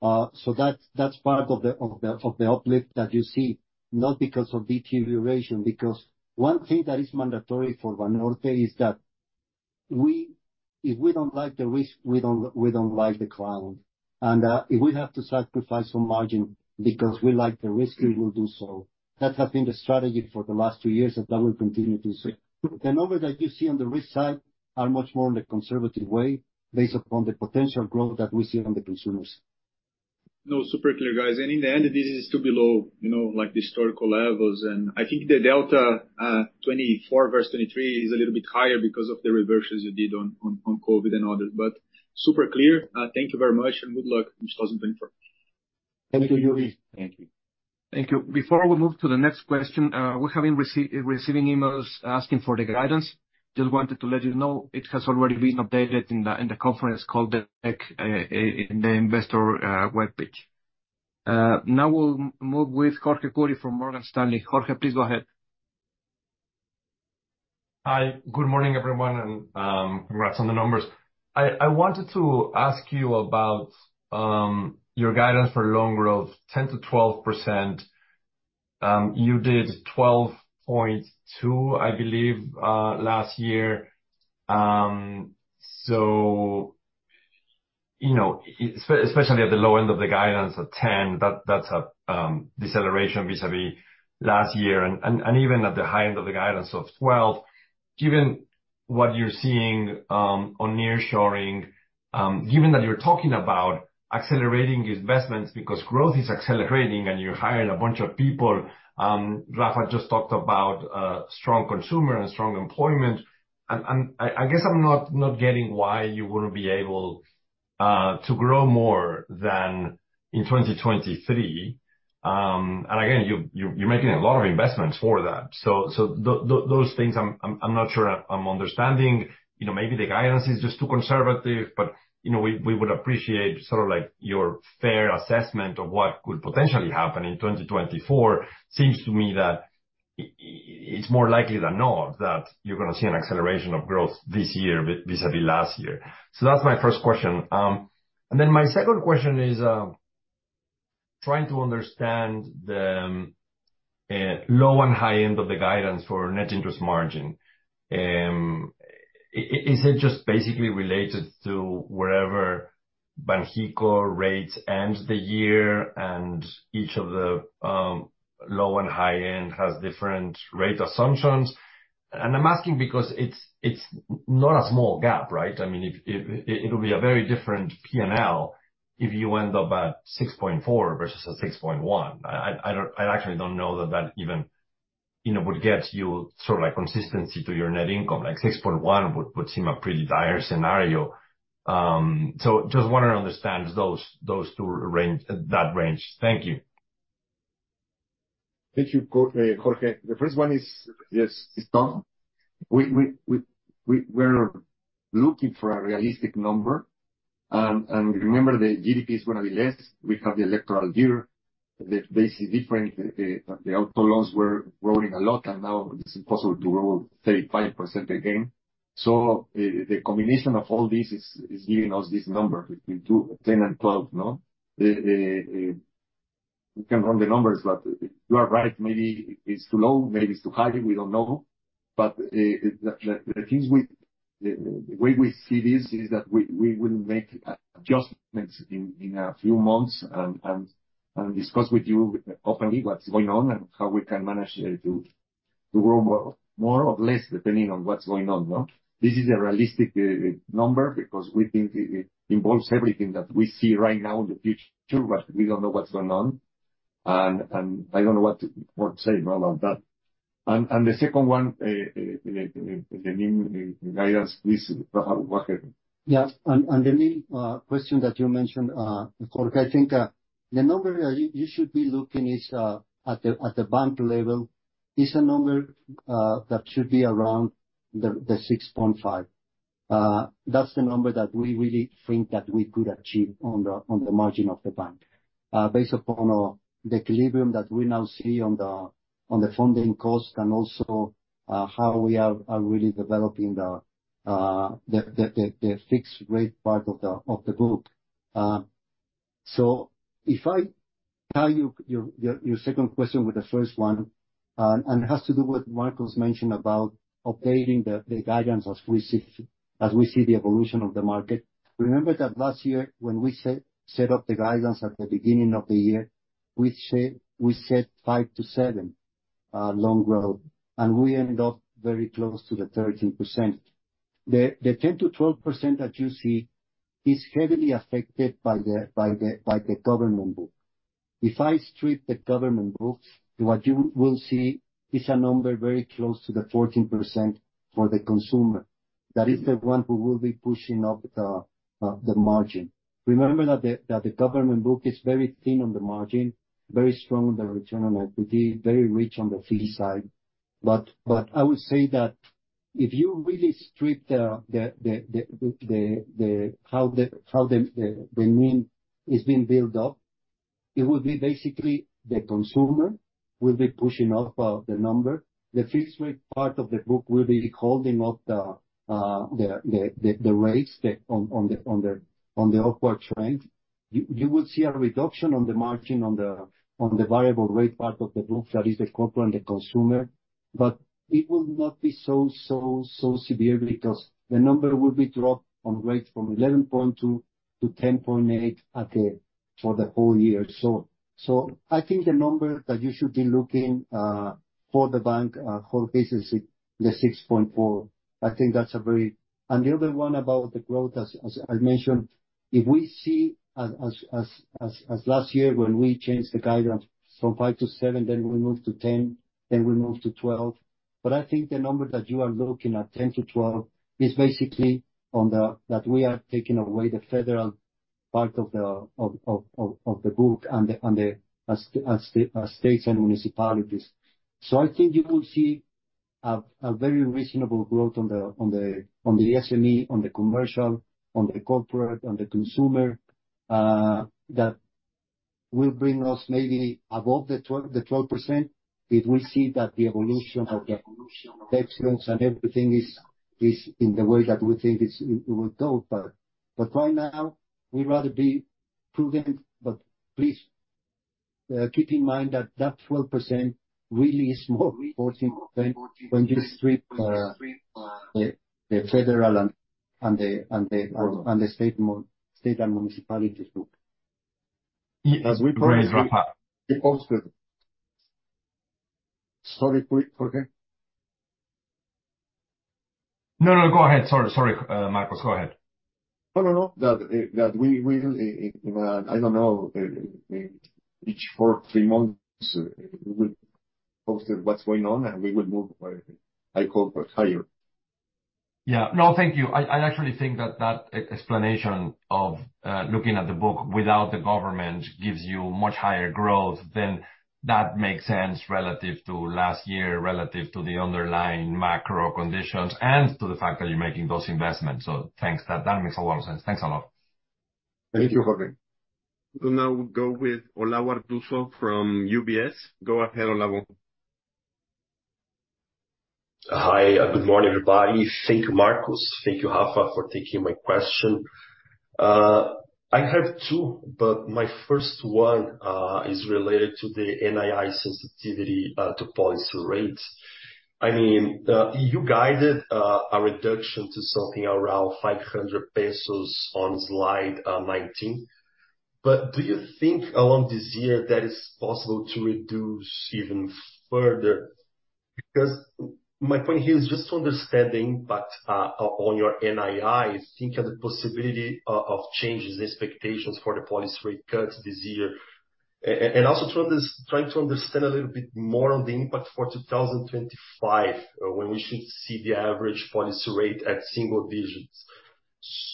So that's part of the uplift that you see, not because of deterioration, because one thing that is mandatory for Banorte is that we—if we don't like the risk, we don't like the client. And if we have to sacrifice some margin because we like the risk, we will do so. That has been the strategy for the last two years, and that will continue to see. The number that you see on the risk side are much more on the conservative way, based upon the potential growth that we see on the consumers. No, super clear, guys. And in the end, this is still below, you know, like, historical levels. And I think the delta, 2024 versus 2023 is a little bit higher because of the reversions you did on COVID and others. But super clear, thank you very much, and good luck in 2024. Thank you, Yuri. Thank you. Thank you. Before we move to the next question, we have been receiving emails asking for the guidance. Just wanted to let you know, it has already been updated in the conference call deck, in the investor webpage. Now we'll move with Jorge Kuri from Morgan Stanley. Jorge, please go ahead. Hi, good morning, everyone, and congrats on the numbers. I wanted to ask you about your guidance for loan growth, 10%-12%. You did 12.2%, I believe, last year. So you know, especially at the low end of the guidance at 10%, that's a deceleration vis-a-vis last year. And even at the high end of the guidance of 12%, given what you're seeing on nearshoring, given that you're talking about accelerating investments because growth is accelerating and you're hiring a bunch of people, Rafa just talked about strong consumer and strong employment, and I guess I'm not getting why you wouldn't be able to grow more than in 2023. And again, you're making a lot of investments for that. So, those things I'm not sure I'm understanding. You know, maybe the guidance is just too conservative, but, you know, we would appreciate sort of like your fair assessment of what could potentially happen in 2024. Seems to me that it's more likely than not that you're gonna see an acceleration of growth this year vis-a-vis last year. So that's my first question. And then my second question is, trying to understand the low and high end of the guidance for net interest margin. Is it just basically related to wherever Banxico rates ends the year, and each of the low and high end has different rate assumptions? And I'm asking because it's not a small gap, right? I mean, if it will be a very different PNL if you end up at 6.4 versus a 6.1. I actually don't know that that even... you know, would get you sort of like consistency to your net income, like 6.1 would seem a pretty dire scenario. So just wanted to understand those two range, that range. Thank you. Thank you, Jorge. Jorge, the first one is, yes, it's done. We're looking for a realistic number. And remember, the GDP is gonna be less. We have the electoral year. The base is different. The auto loans were growing a lot, and now it's impossible to grow, say, 5% again. So the combination of all this is giving us this number between 2-10 and 12, no? We can run the numbers, but you are right, maybe it's too low, maybe it's too high, we don't know. But, the way we see this is that we will make adjustments in a few months and discuss with you openly what's going on and how we can manage it to grow more or less, depending on what's going on, no? This is a realistic number because we think it involves everything that we see right now in the future, but we don't know what's going on. And I don't know what more to say about that. And the second one, the new guidance, please, Rafael, go ahead. Yes, and the new question that you mentioned, Jorge, I think the number you should be looking is at the bank level, is a number that should be around the 6.5. That's the number that we really think that we could achieve on the margin of the bank. Based upon the equilibrium that we now see on the funding cost, and also how we are really developing the fixed rate part of the book. So if I tell you your second question with the first one, and it has to do with what Marcos mentioned about updating the guidance as we see the evolution of the market. Remember that last year, when we set up the guidance at the beginning of the year, we said, we set 5-7 loan growth, and we ended up very close to the 13%. The 10%-12% that you see is heavily affected by the government book. If I strip the government books, what you will see is a number very close to the 14% for the consumer. That is the one who will be pushing up the margin. Remember that the government book is very thin on the margin, very strong on the return on equity, very rich on the fee side. But I would say that if you really strip how the mean is being built up, it would be basically the consumer will be pushing up the number. The fixed rate part of the book will be holding up the rates on the upward trend. You will see a reduction on the margin on the variable rate part of the book, that is the corporate and the consumer, but it will not be so severe, because the number will be dropped on rates from 11.2-10.8 at the... for the whole year. So I think the number that you should be looking for the bank for business is the 6.4. I think that's a very... And the other one about the growth, as mentioned, if we see as last year, when we changed the guidance from 5 to 7, then we moved to 10, then we moved to 12. But I think the number that you are looking at, 10-12, is basically on the—that we are taking away the federal part of the book and the states and municipalities. So I think you will see a very reasonable growth on the SME, on the commercial, on the corporate, on the consumer, that will bring us maybe above the 12, the 12%, if we see that the evolution of excellence and everything is in the way that we think it's going to go. But right now, we'd rather be prudent. But please keep in mind that that 12% really is more 14% when you strip the federal and the state and municipality book. As we probably- Sorry, quick, Jorge. No, no, go ahead. Sorry, sorry, Marcos, go ahead. No, no, no. That we, I don't know, each four, three months, we will post what's going on, and we will move where I call higher. Yeah. No, thank you. I actually think that that explanation of looking at the book without the government gives you much higher growth, then that makes sense relative to last year, relative to the underlying macro conditions and to the fact that you're making those investments. So thanks. That makes a lot of sense. Thanks a lot. Thank you, Jorge. We'll now go with Olavo Arthuzo from UBS. Go ahead, Olavo. Hi, good morning, everybody. Thank you, Marcos. Thank you, Rafa, for taking my question. I have two, but my first one is related to the NII sensitivity to policy rates. I mean, you guided a reduction to something around 500 pesos on slide 19. But do you think along this year that it's possible to reduce even further? Because my point here is just to understand the impact on your NII, thinking the possibility of changes in expectations for the policy rate cuts this year. And also trying to understand a little bit more on the impact for 2025, when we should see the average policy rate at single digits.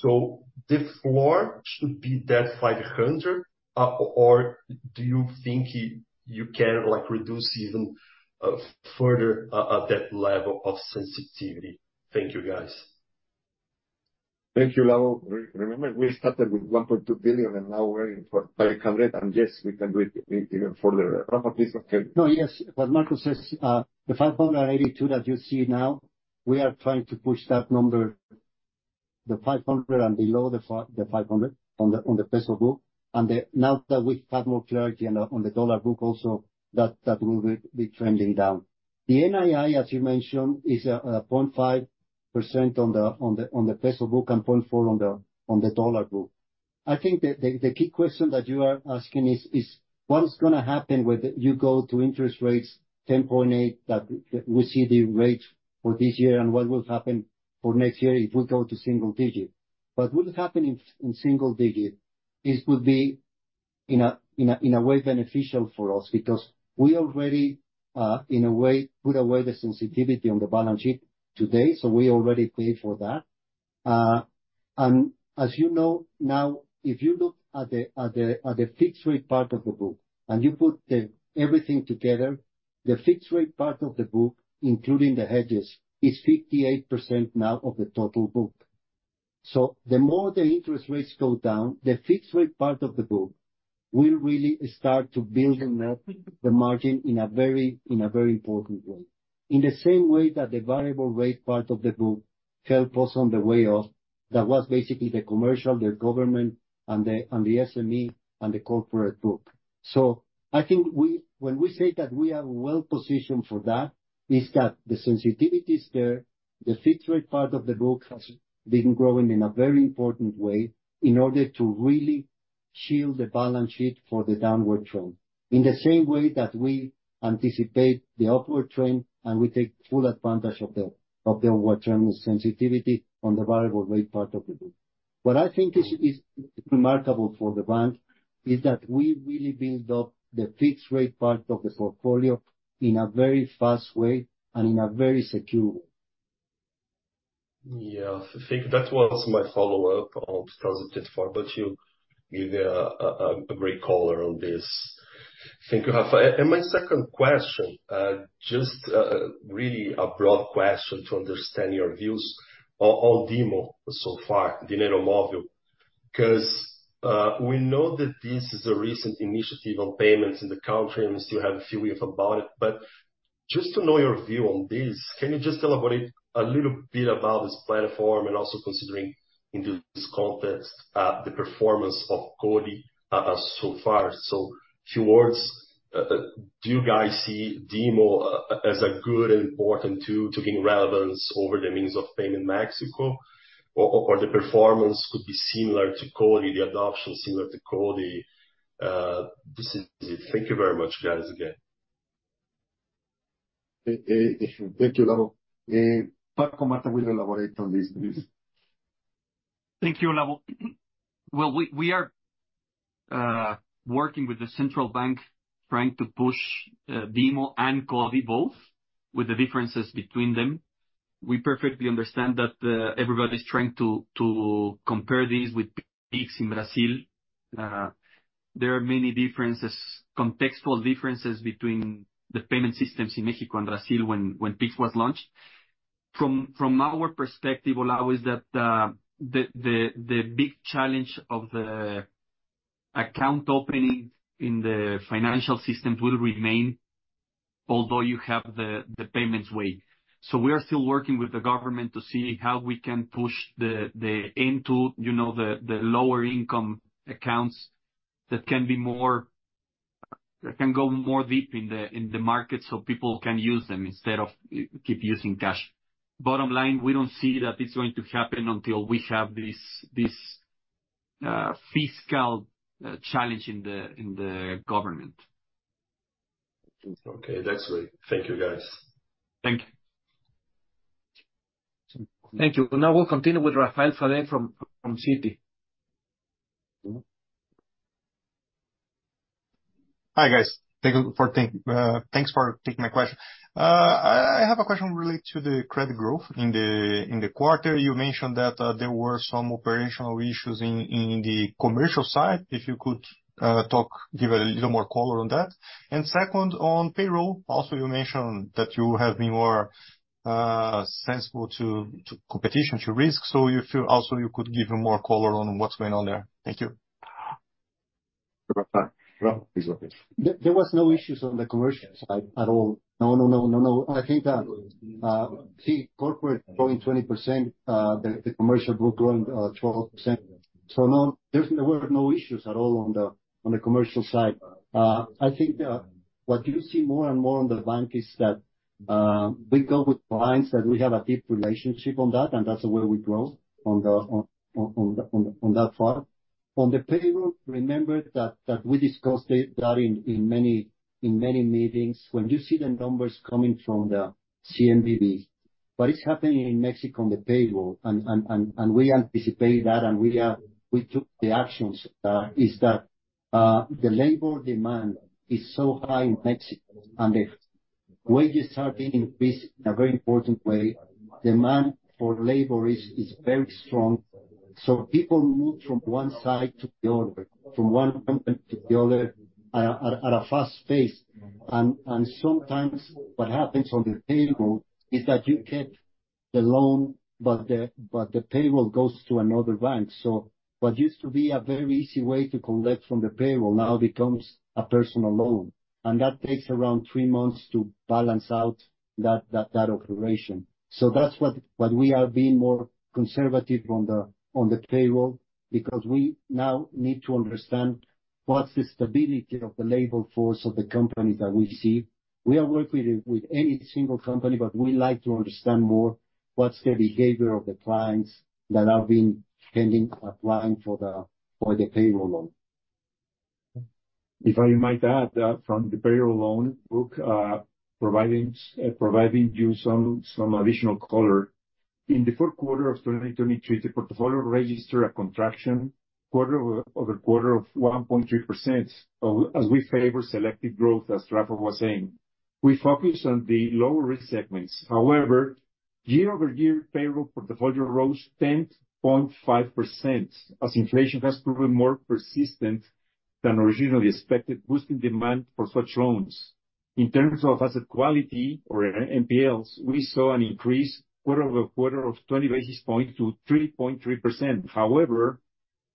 So the floor should be that 500, or do you think you can, like, reduce even further, at that level of sensitivity? Thank you, guys. Thank you, Lau. Remember, we started with 1.2 billion, and now we're in for 500, and yes, we can do it even further. Rafael, please. Okay. No, yes, what Marcos says, the 582 that you see now, we are trying to push that number, the 500 and below the 500 on the peso book. And now that we have more clarity on the dollar book also, that will be trending down. The NII, as you mentioned, is 0.5% on the peso book, and 0.4% on the dollar book. I think the key question that you are asking is what is gonna happen when you go to interest rates 10.8, that we see the rate for this year, and what will happen for next year if we go to single digit? But what will happen in single digit is to be in a way beneficial for us. Because we already, in a way, put away the sensitivity on the balance sheet today, so we already paid for that. And as you know, now, if you look at the fixed rate part of the book, and you put everything together, the fixed rate part of the book, including the hedges, is 58% now of the total book. So the more the interest rates go down, the fixed rate part of the book will really start to building up the margin in a very important way. In the same way that the variable rate part of the book helped us on the way up, that was basically the commercial, the government, and the SME, and the corporate book. So I think we, when we say that we are well positioned for that, is that the sensitivity is there, the fixed rate part of the book has been growing in a very important way, in order to really shield the balance sheet for the downward trend. In the same way that we anticipate the upward trend, and we take full advantage of the, of the upward trend sensitivity on the variable rate part of the book. What I think is remarkable for the bank is that we really build up the fixed rate part of the portfolio in a very fast way and in a very secure way. Yeah, I think that was my follow-up on 2024, but you gave a great color on this. Thank you, Rafael. And my second question, really a broad question to understand your views on DiMo so far, Dinero Móvil. 'Cause we know that this is a recent initiative on payments in the country, and we still have a few years about it. But just to know your view on this, can you just tell about it, a little bit about this platform, and also considering into this context, the performance of CoDi so far? So few words, do you guys see DiMo as a good and important tool to gain relevance over the means of payment in Mexico? Or the performance could be similar to CoDi, the adoption, similar to CoDi, this is it. Thank you very much, guys, again. Thank you, Lau. Paco Martha will elaborate on this, please. Thank you, Lau. Well, we are working with the central bank, trying to push DiMo and CoDi both, with the differences between them. We perfectly understand that everybody's trying to compare these with Pix in Brazil. There are many differences, contextual differences between the payment systems in Mexico and Brazil when Pix was launched. From our perspective, Lau, is that the big challenge of the account opening in the financial systems will remain, although you have the payments way. So we are still working with the government to see how we can push the end to, you know, the lower income accounts that can be more... That can go more deep in the market, so people can use them instead of keep using cash. Bottom line, we don't see that it's going to happen until we have this fiscal challenge in the government. Okay, that's right. Thank you, guys. Thank you. Thank you. Now we'll continue with Rafael Frade from Citi. Hi, guys. Thanks for taking my question. I have a question related to the credit growth in the quarter. You mentioned that there were some operational issues in the commercial side. If you could talk, give a little more color on that. And second, on payroll, also, you mentioned that you have been more sensible to competition, to risk. So you feel also you could give more color on what's going on there. Thank you. Rafael, please go ahead. There was no issues on the commercial side at all. No, no, no, no, no. I think that, see, corporate growing 20%, the commercial book growing 12%. So no, there were no issues at all on the commercial side. I think what you see more and more on the bank is that we go with clients that we have a deep relationship on that, and that's the way we grow on that part. On the payroll, remember that we discussed it, that in many meetings, when you see the numbers coming from the CNBV-... What is happening in Mexico on the payroll is that the labor demand is so high in Mexico, and the wages are being increased in a very important way. Demand for labor is very strong, so people move from one side to the other, from one company to the other, at a fast pace. And sometimes what happens on the payroll is that you get the loan, but the payroll goes to another bank. So what used to be a very easy way to collect from the payroll now becomes a personal loan, and that takes around 3 months to balance out that operation. So that's what we are being more conservative on the payroll, because we now need to understand what's the stability of the labor force of the company that we see. We are working with any single company, but we like to understand more what's the behavior of the clients that have been pending applying for the payroll loan. If I might add, from the payroll loan book, providing you some additional color. In the fourth quarter of 2023, the portfolio registered a contraction quarter-over-quarter of 1.3%, as we favor selective growth, as Rafa was saying. We focused on the lower risk segments. However, year-over-year payroll portfolio rose 10.5%, as inflation has proven more persistent than originally expected, boosting demand for such loans. In terms of asset quality or NPLs, we saw an increase quarter-over-quarter of 20 basis points to 3.3%. However,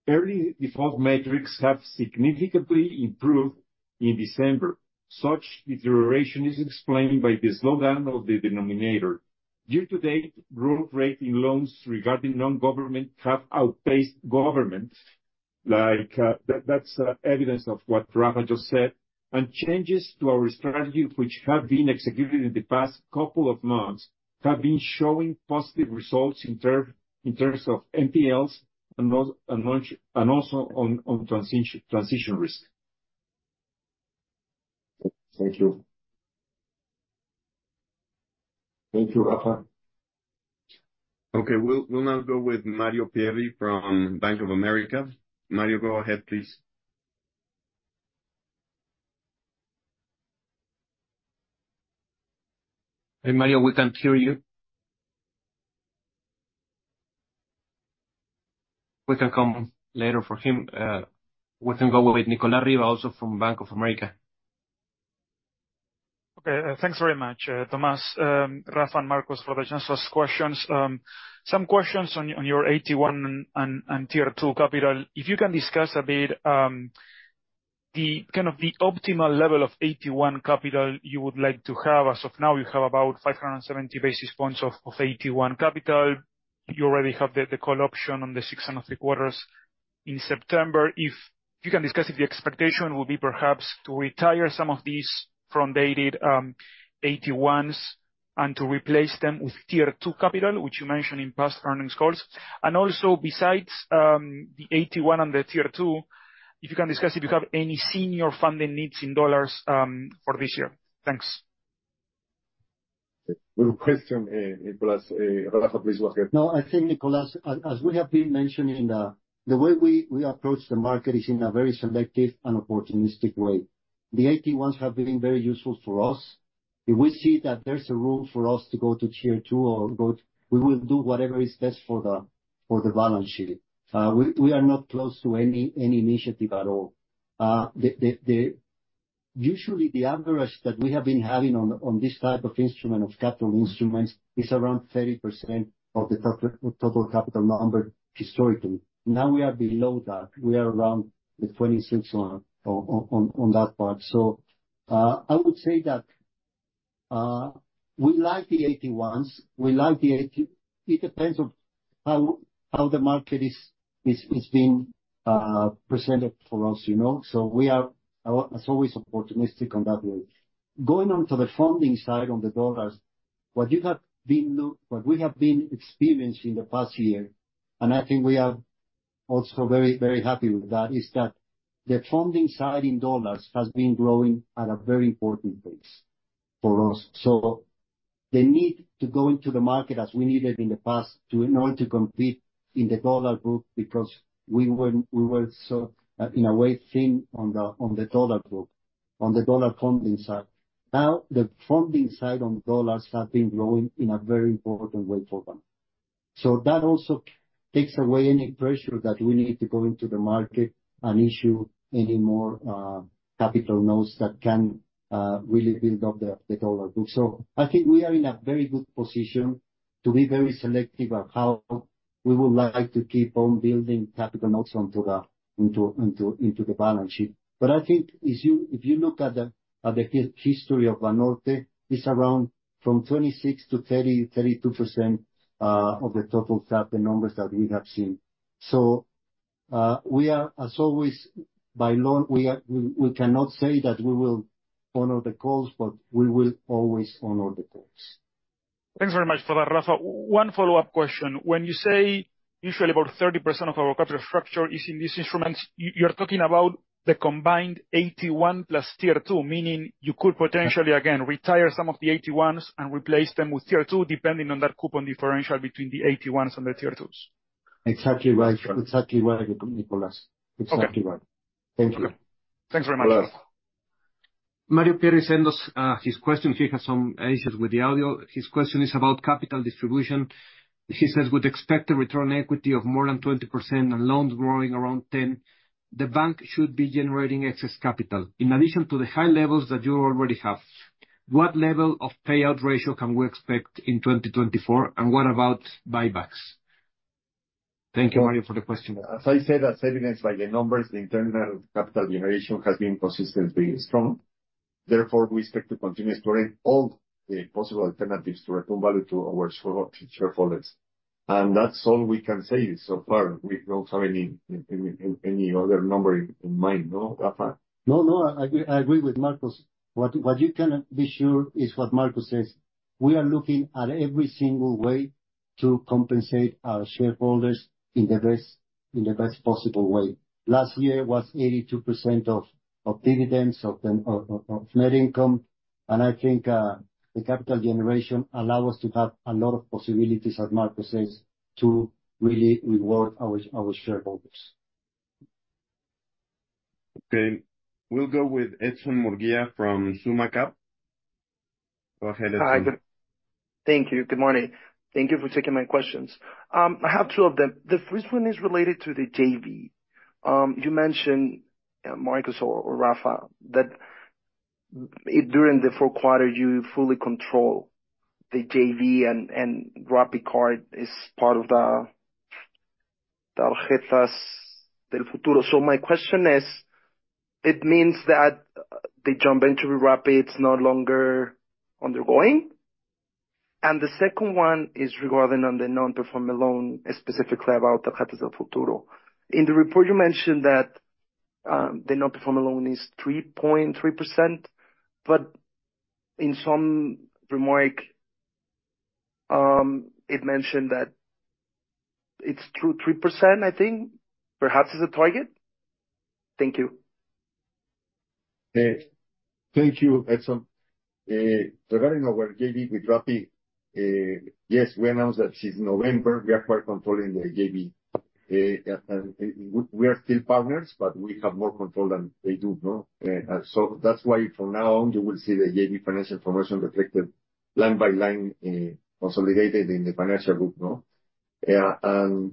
early default metrics have significantly improved in December. Such deterioration is explained by the slowdown of the denominator. Year-to-date, growth rate in loans regarding non-government have outpaced government, like, that that's evidence of what Rafa just said. Changes to our strategy, which have been executed in the past couple of months, have been showing positive results in terms of NPLs and also on transition risk. Thank you. Thank you, Rafa. Okay, we'll now go with Mario Pierry from Bank of America. Mario, go ahead, please. Hey, Mario, we can't hear you. We can come later for him. We can go with Nicolas Riva, also from Bank of America. Okay, thanks very much, Tomás, Rafa, and Marcos, for the chance to ask questions. Some questions on your, on your AT1 and Tier 2 capital. If you can discuss a bit, the kind of the optimal level of AT1 capital you would like to have. As of now, you have about 570 basis points of AT1 capital. You already have the call option on the sixth of the quarters in September. If you can discuss if the expectation will be perhaps to retire some of these front-dated AT1s, and to replace them with Tier 2 capital, which you mentioned in past earnings calls. And also, besides, the AT1 and the Tier 2, if you can discuss if you have any senior funding needs in dollars, for this year. Thanks. Good question, Nicolas. Rafael, please go ahead. No, I think, Nicolas, as we have been mentioning, the way we approach the market is in a very selective and opportunistic way. The AT1s have been very useful for us. If we see that there's a room for us to go to Tier 2 or go, we will do whatever is best for the balance sheet. We are not close to any initiative at all. Usually, the average that we have been having on this type of instrument, of capital instruments, is around 30% of the total capital number historically. Now, we are below that. We are around the 26 on that part. So, I would say that, we like the AT1s, we like the AT... It depends on how the market is being presented for us, you know? So we are, as always, opportunistic on that way. Going on to the funding side, on the dollars, what we have been experiencing in the past year, and I think we are also very, very happy with that, is that the funding side in dollars has been growing at a very important pace for us. So the need to go into the market as we needed in the past to, in order to compete in the dollar group, because we were so in a way thin on the dollar group, on the dollar funding side. Now, the funding side on dollars has been growing in a very important way for them. So that also takes away any pressure that we need to go into the market and issue any more capital notes that can really build up the dollar group. So I think we are in a very good position to be very selective on how we would like to keep on building capital notes into the balance sheet. But I think if you look at the history of Banorte, it's around from 26 to 30, 32% of the total capital numbers that we have seen. So we are, as always, by loan, we are. We cannot say that we will honor the calls, but we will always honor the calls. Thanks very much for that, Rafael. One follow-up question: When you say usually about 30% of our capital structure is in these instruments. You're talking about the combined AT1 + Tier 2, meaning you could potentially, again, retire some of the AT1s and replace them with Tier 2, depending on that coupon differential between the AT1s and the Tier 2s? Exactly right. Exactly right, Nicolas. Okay. Exactly right. Thank you. Thanks very much. Bye-bye. Mario Perez sent us his question. He has some issues with the audio. His question is about capital distribution. He says, "With expected return on equity of more than 20% and loans growing around 10, the bank should be generating excess capital, in addition to the high levels that you already have. What level of payout ratio can we expect in 2024, and what about buybacks?" Thank you, Mario, for the question. As I said, as evidenced by the numbers, the internal capital generation has been consistently strong. Therefore, we expect to continue exploring all the possible alternatives to return value to our shareholders. And that's all we can say so far. We don't have any other number in mind, no, Rafa? No, no, I agree, I agree with Marcos. What, what you can be sure is what Marcos says: We are looking at every single way to compensate our shareholders in the best, in the best possible way. Last year was 82% of dividends of the net income, and I think, the capital generation allow us to have a lot of possibilities, as Marcos says, to really reward our, our shareholders. Okay. We'll go with Edson Munguia from SummaCap. Go ahead, Edson. Hi. Thank you. Good morning. Thank you for taking my questions. I have two of them. The first one is related to the JV. You mentioned, Marcos or Rafa, that during the fourth quarter, you fully control the JV and RappiCard is part of the Tarjetas del Futuro. So my question is, it means that the joint venture with Rappi, it's no longer undergoing? And the second one is regarding on the non-performing loan, specifically about Tarjetas del Futuro. In the report you mentioned that the non-performing loan is 3.3%, but in some remark, it mentioned that it's through 3%, I think, perhaps as a target? Thank you. Thank you, Edson. Regarding our JV with Rappi, yes, we announced that since November, we acquired control in the JV. And we are still partners, but we have more control than they do, no? So that's why from now on, you will see the JV financial information reflected line by line, consolidated in the financial group, no? And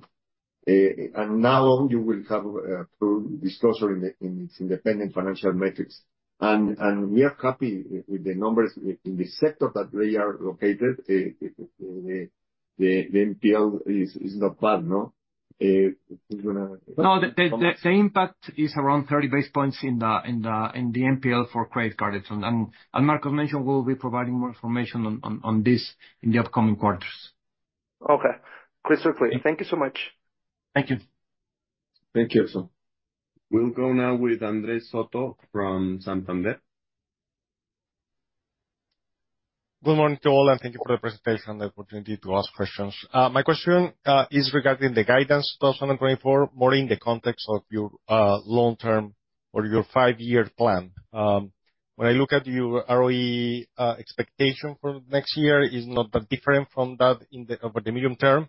now you will have full disclosure in its independent financial metrics. And we are happy with the numbers in the sector that they are located. The NPL is not bad, no? We're gonna- No, the impact is around 30 basis points in the NPL for credit card, Edson. And Marcos mentioned we'll be providing more information on this in the upcoming quarters. Okay. Crystal clear. Thank you so much. Thank you. Thank you, Edson. We'll go now with Andres Soto from Santander. Good morning to all, and thank you for the presentation and the opportunity to ask questions. My question is regarding the guidance, 2024, more in the context of your long term or your five-year plan. When I look at your ROE expectation for next year, is not that different from that in the over the medium term,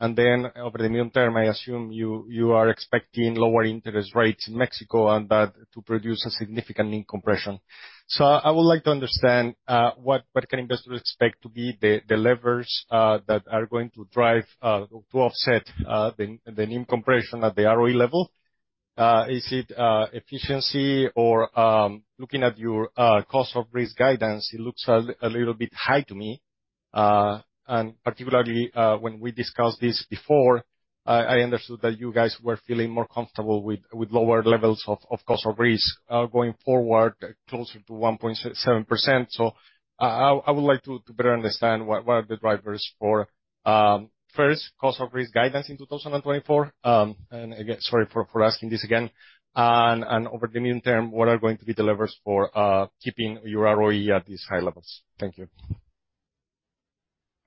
and then over the medium term, I assume you are expecting lower interest rates in Mexico, and that to produce a significant NIM compression. So I would like to understand what can investors expect to be the levers that are going to drive to offset the NIM compression at the ROE level? Is it efficiency or looking at your cost of risk guidance, it looks a little bit high to me. And particularly, when we discussed this before, I understood that you guys were feeling more comfortable with lower levels of cost of risk going forward, closer to 1.7%. So, I would like to better understand what are the drivers for, first, cost of risk guidance in 2024. And again, sorry for asking this again. And over the medium term, what are going to be the levers for keeping your ROE at these high levels? Thank you.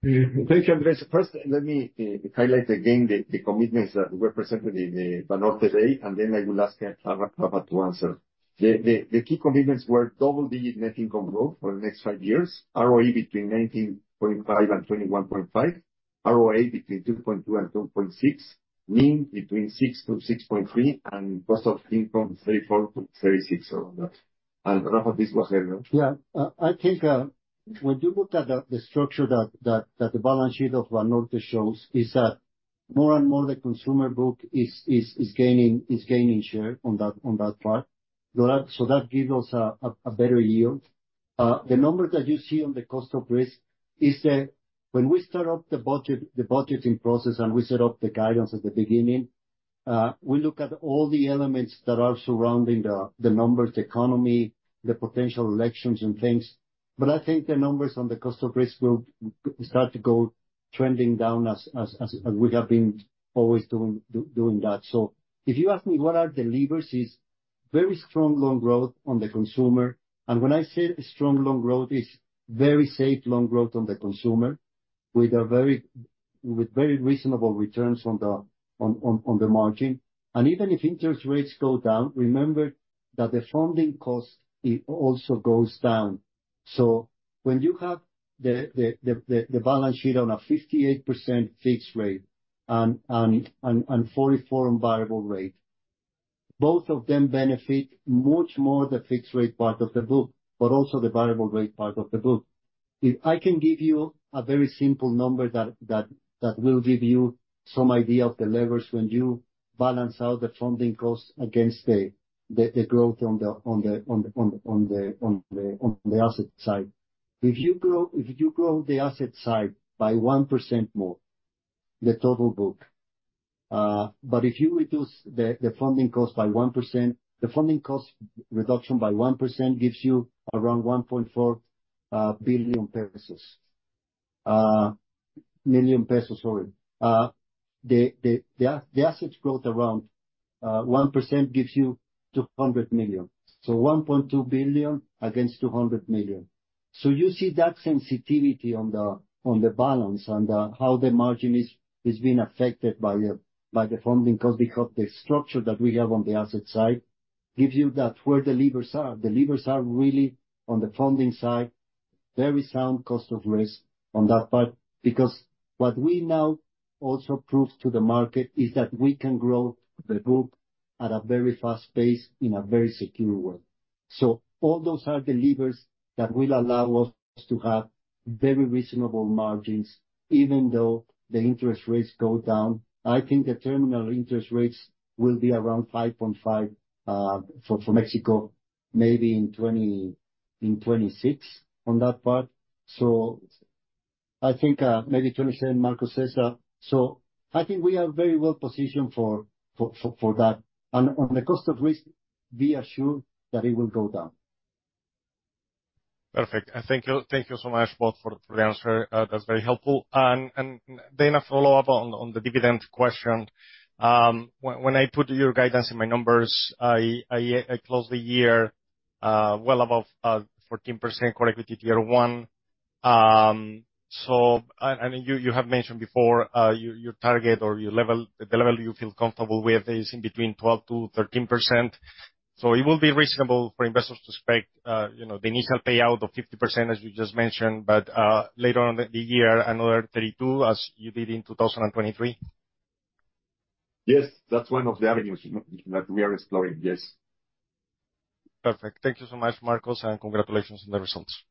Thank you, Andres. First, let me highlight again the commitments that were presented in the Banorte Day, and then I will ask Rafa to answer. The key commitments were double-digit net income growth for the next five years, ROE between 19.5% and 21.5%, ROA between 2.2% and 2.6%, NIM between 6% and 6.3%, and cost of income 34%-36% around that. And Rafa, this was earlier. Yeah. I think when you look at the structure that the balance sheet of Banorte shows is that more and more the consumer book is gaining share on that part. So that gives us a better yield. The numbers that you see on the cost of risk is that when we start the budget, the budgeting process, and we set up the guidance at the beginning, we look at all the elements that are surrounding the numbers, the economy, the potential elections and things. But I think the numbers on the cost of risk will start to go trending down as we have been always doing that. So if you ask me, what are the levers, it is very strong loan growth on the consumer. And when I say strong loan growth, it is very safe loan growth on the consumer, with very reasonable returns on the margin. And even if interest rates go down, remember that the funding cost, it also goes down. So when you have the balance sheet on a 58% fixed rate and 44% on variable rate, both of them benefit much more the fixed rate part of the book, but also the variable rate part of the book. If I can give you a very simple number that will give you some idea of the levers when you balance out the funding cost against the growth on the asset side. If you grow, if you grow the asset side by 1% more, the total book, but if you reduce the funding cost by 1%, the funding cost reduction by 1% gives you around 1.4 billion pesos, million pesos, sorry. The assets growth around 1% gives you 200 million, so 1.2 billion against 200 million. So you see that sensitivity on the balance and how the margin is being affected by the funding cost, because the structure that we have on the asset side gives you that where the levers are. The levers are really on the funding side, very sound cost of risk on that part, because what we now also prove to the market is that we can grow the book at a very fast pace in a very secure way. So all those are the levers that will allow us to have very reasonable margins, even though the interest rates go down. I think the terminal interest rates will be around 5.5 for Mexico, maybe in 2026, on that part. So I think maybe 2027, Marcos says. So I think we are very well positioned for that. And on the cost of risk, we are sure that it will go down. Perfect. Thank you. Thank you so much, both, for the answer. That's very helpful. And then a follow-up on the dividend question. When I put your guidance in my numbers, I closed the year well above 14% core equity tier one. So and you have mentioned before your target or your level, the level you feel comfortable with is in between 12%-13%. So it will be reasonable for investors to expect, you know, the initial payout of 50%, as you just mentioned, but later on in the year, another 32, as you did in 2023? Yes, that's one of the avenues that we are exploring. Yes. Perfect. Thank you so much, Marcos, and congratulations on the results.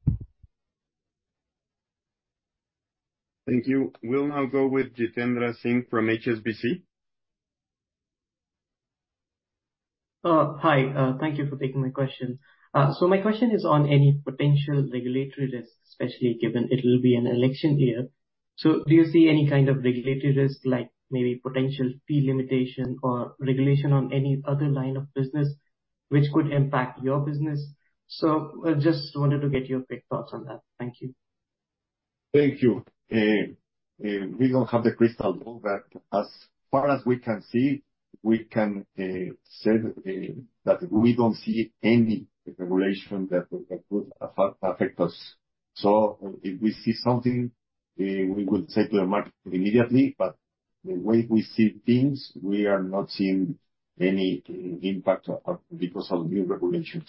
Thank you. We'll now go with Jitendra Singh from HSBC. Hi. Thank you for taking my question. My question is on any potential regulatory risks, especially given it will be an election year. Do you see any kind of regulatory risk, like maybe potential fee limitation or regulation on any other line of business which could impact your business? I just wanted to get your quick thoughts on that. Thank you. Thank you. We don't have the crystal ball, but as far as we can see, we can say that we don't see any regulation that would affect us. So if we see something, we will take to the market immediately, but the way we see things, we are not seeing any impact of, because of new regulations.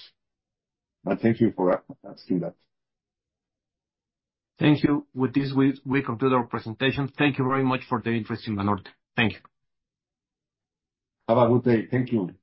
But thank you for asking that. Thank you. With this, we conclude our presentation. Thank you very much for the interest in Banorte. Thank you. Have a good day. Thank you.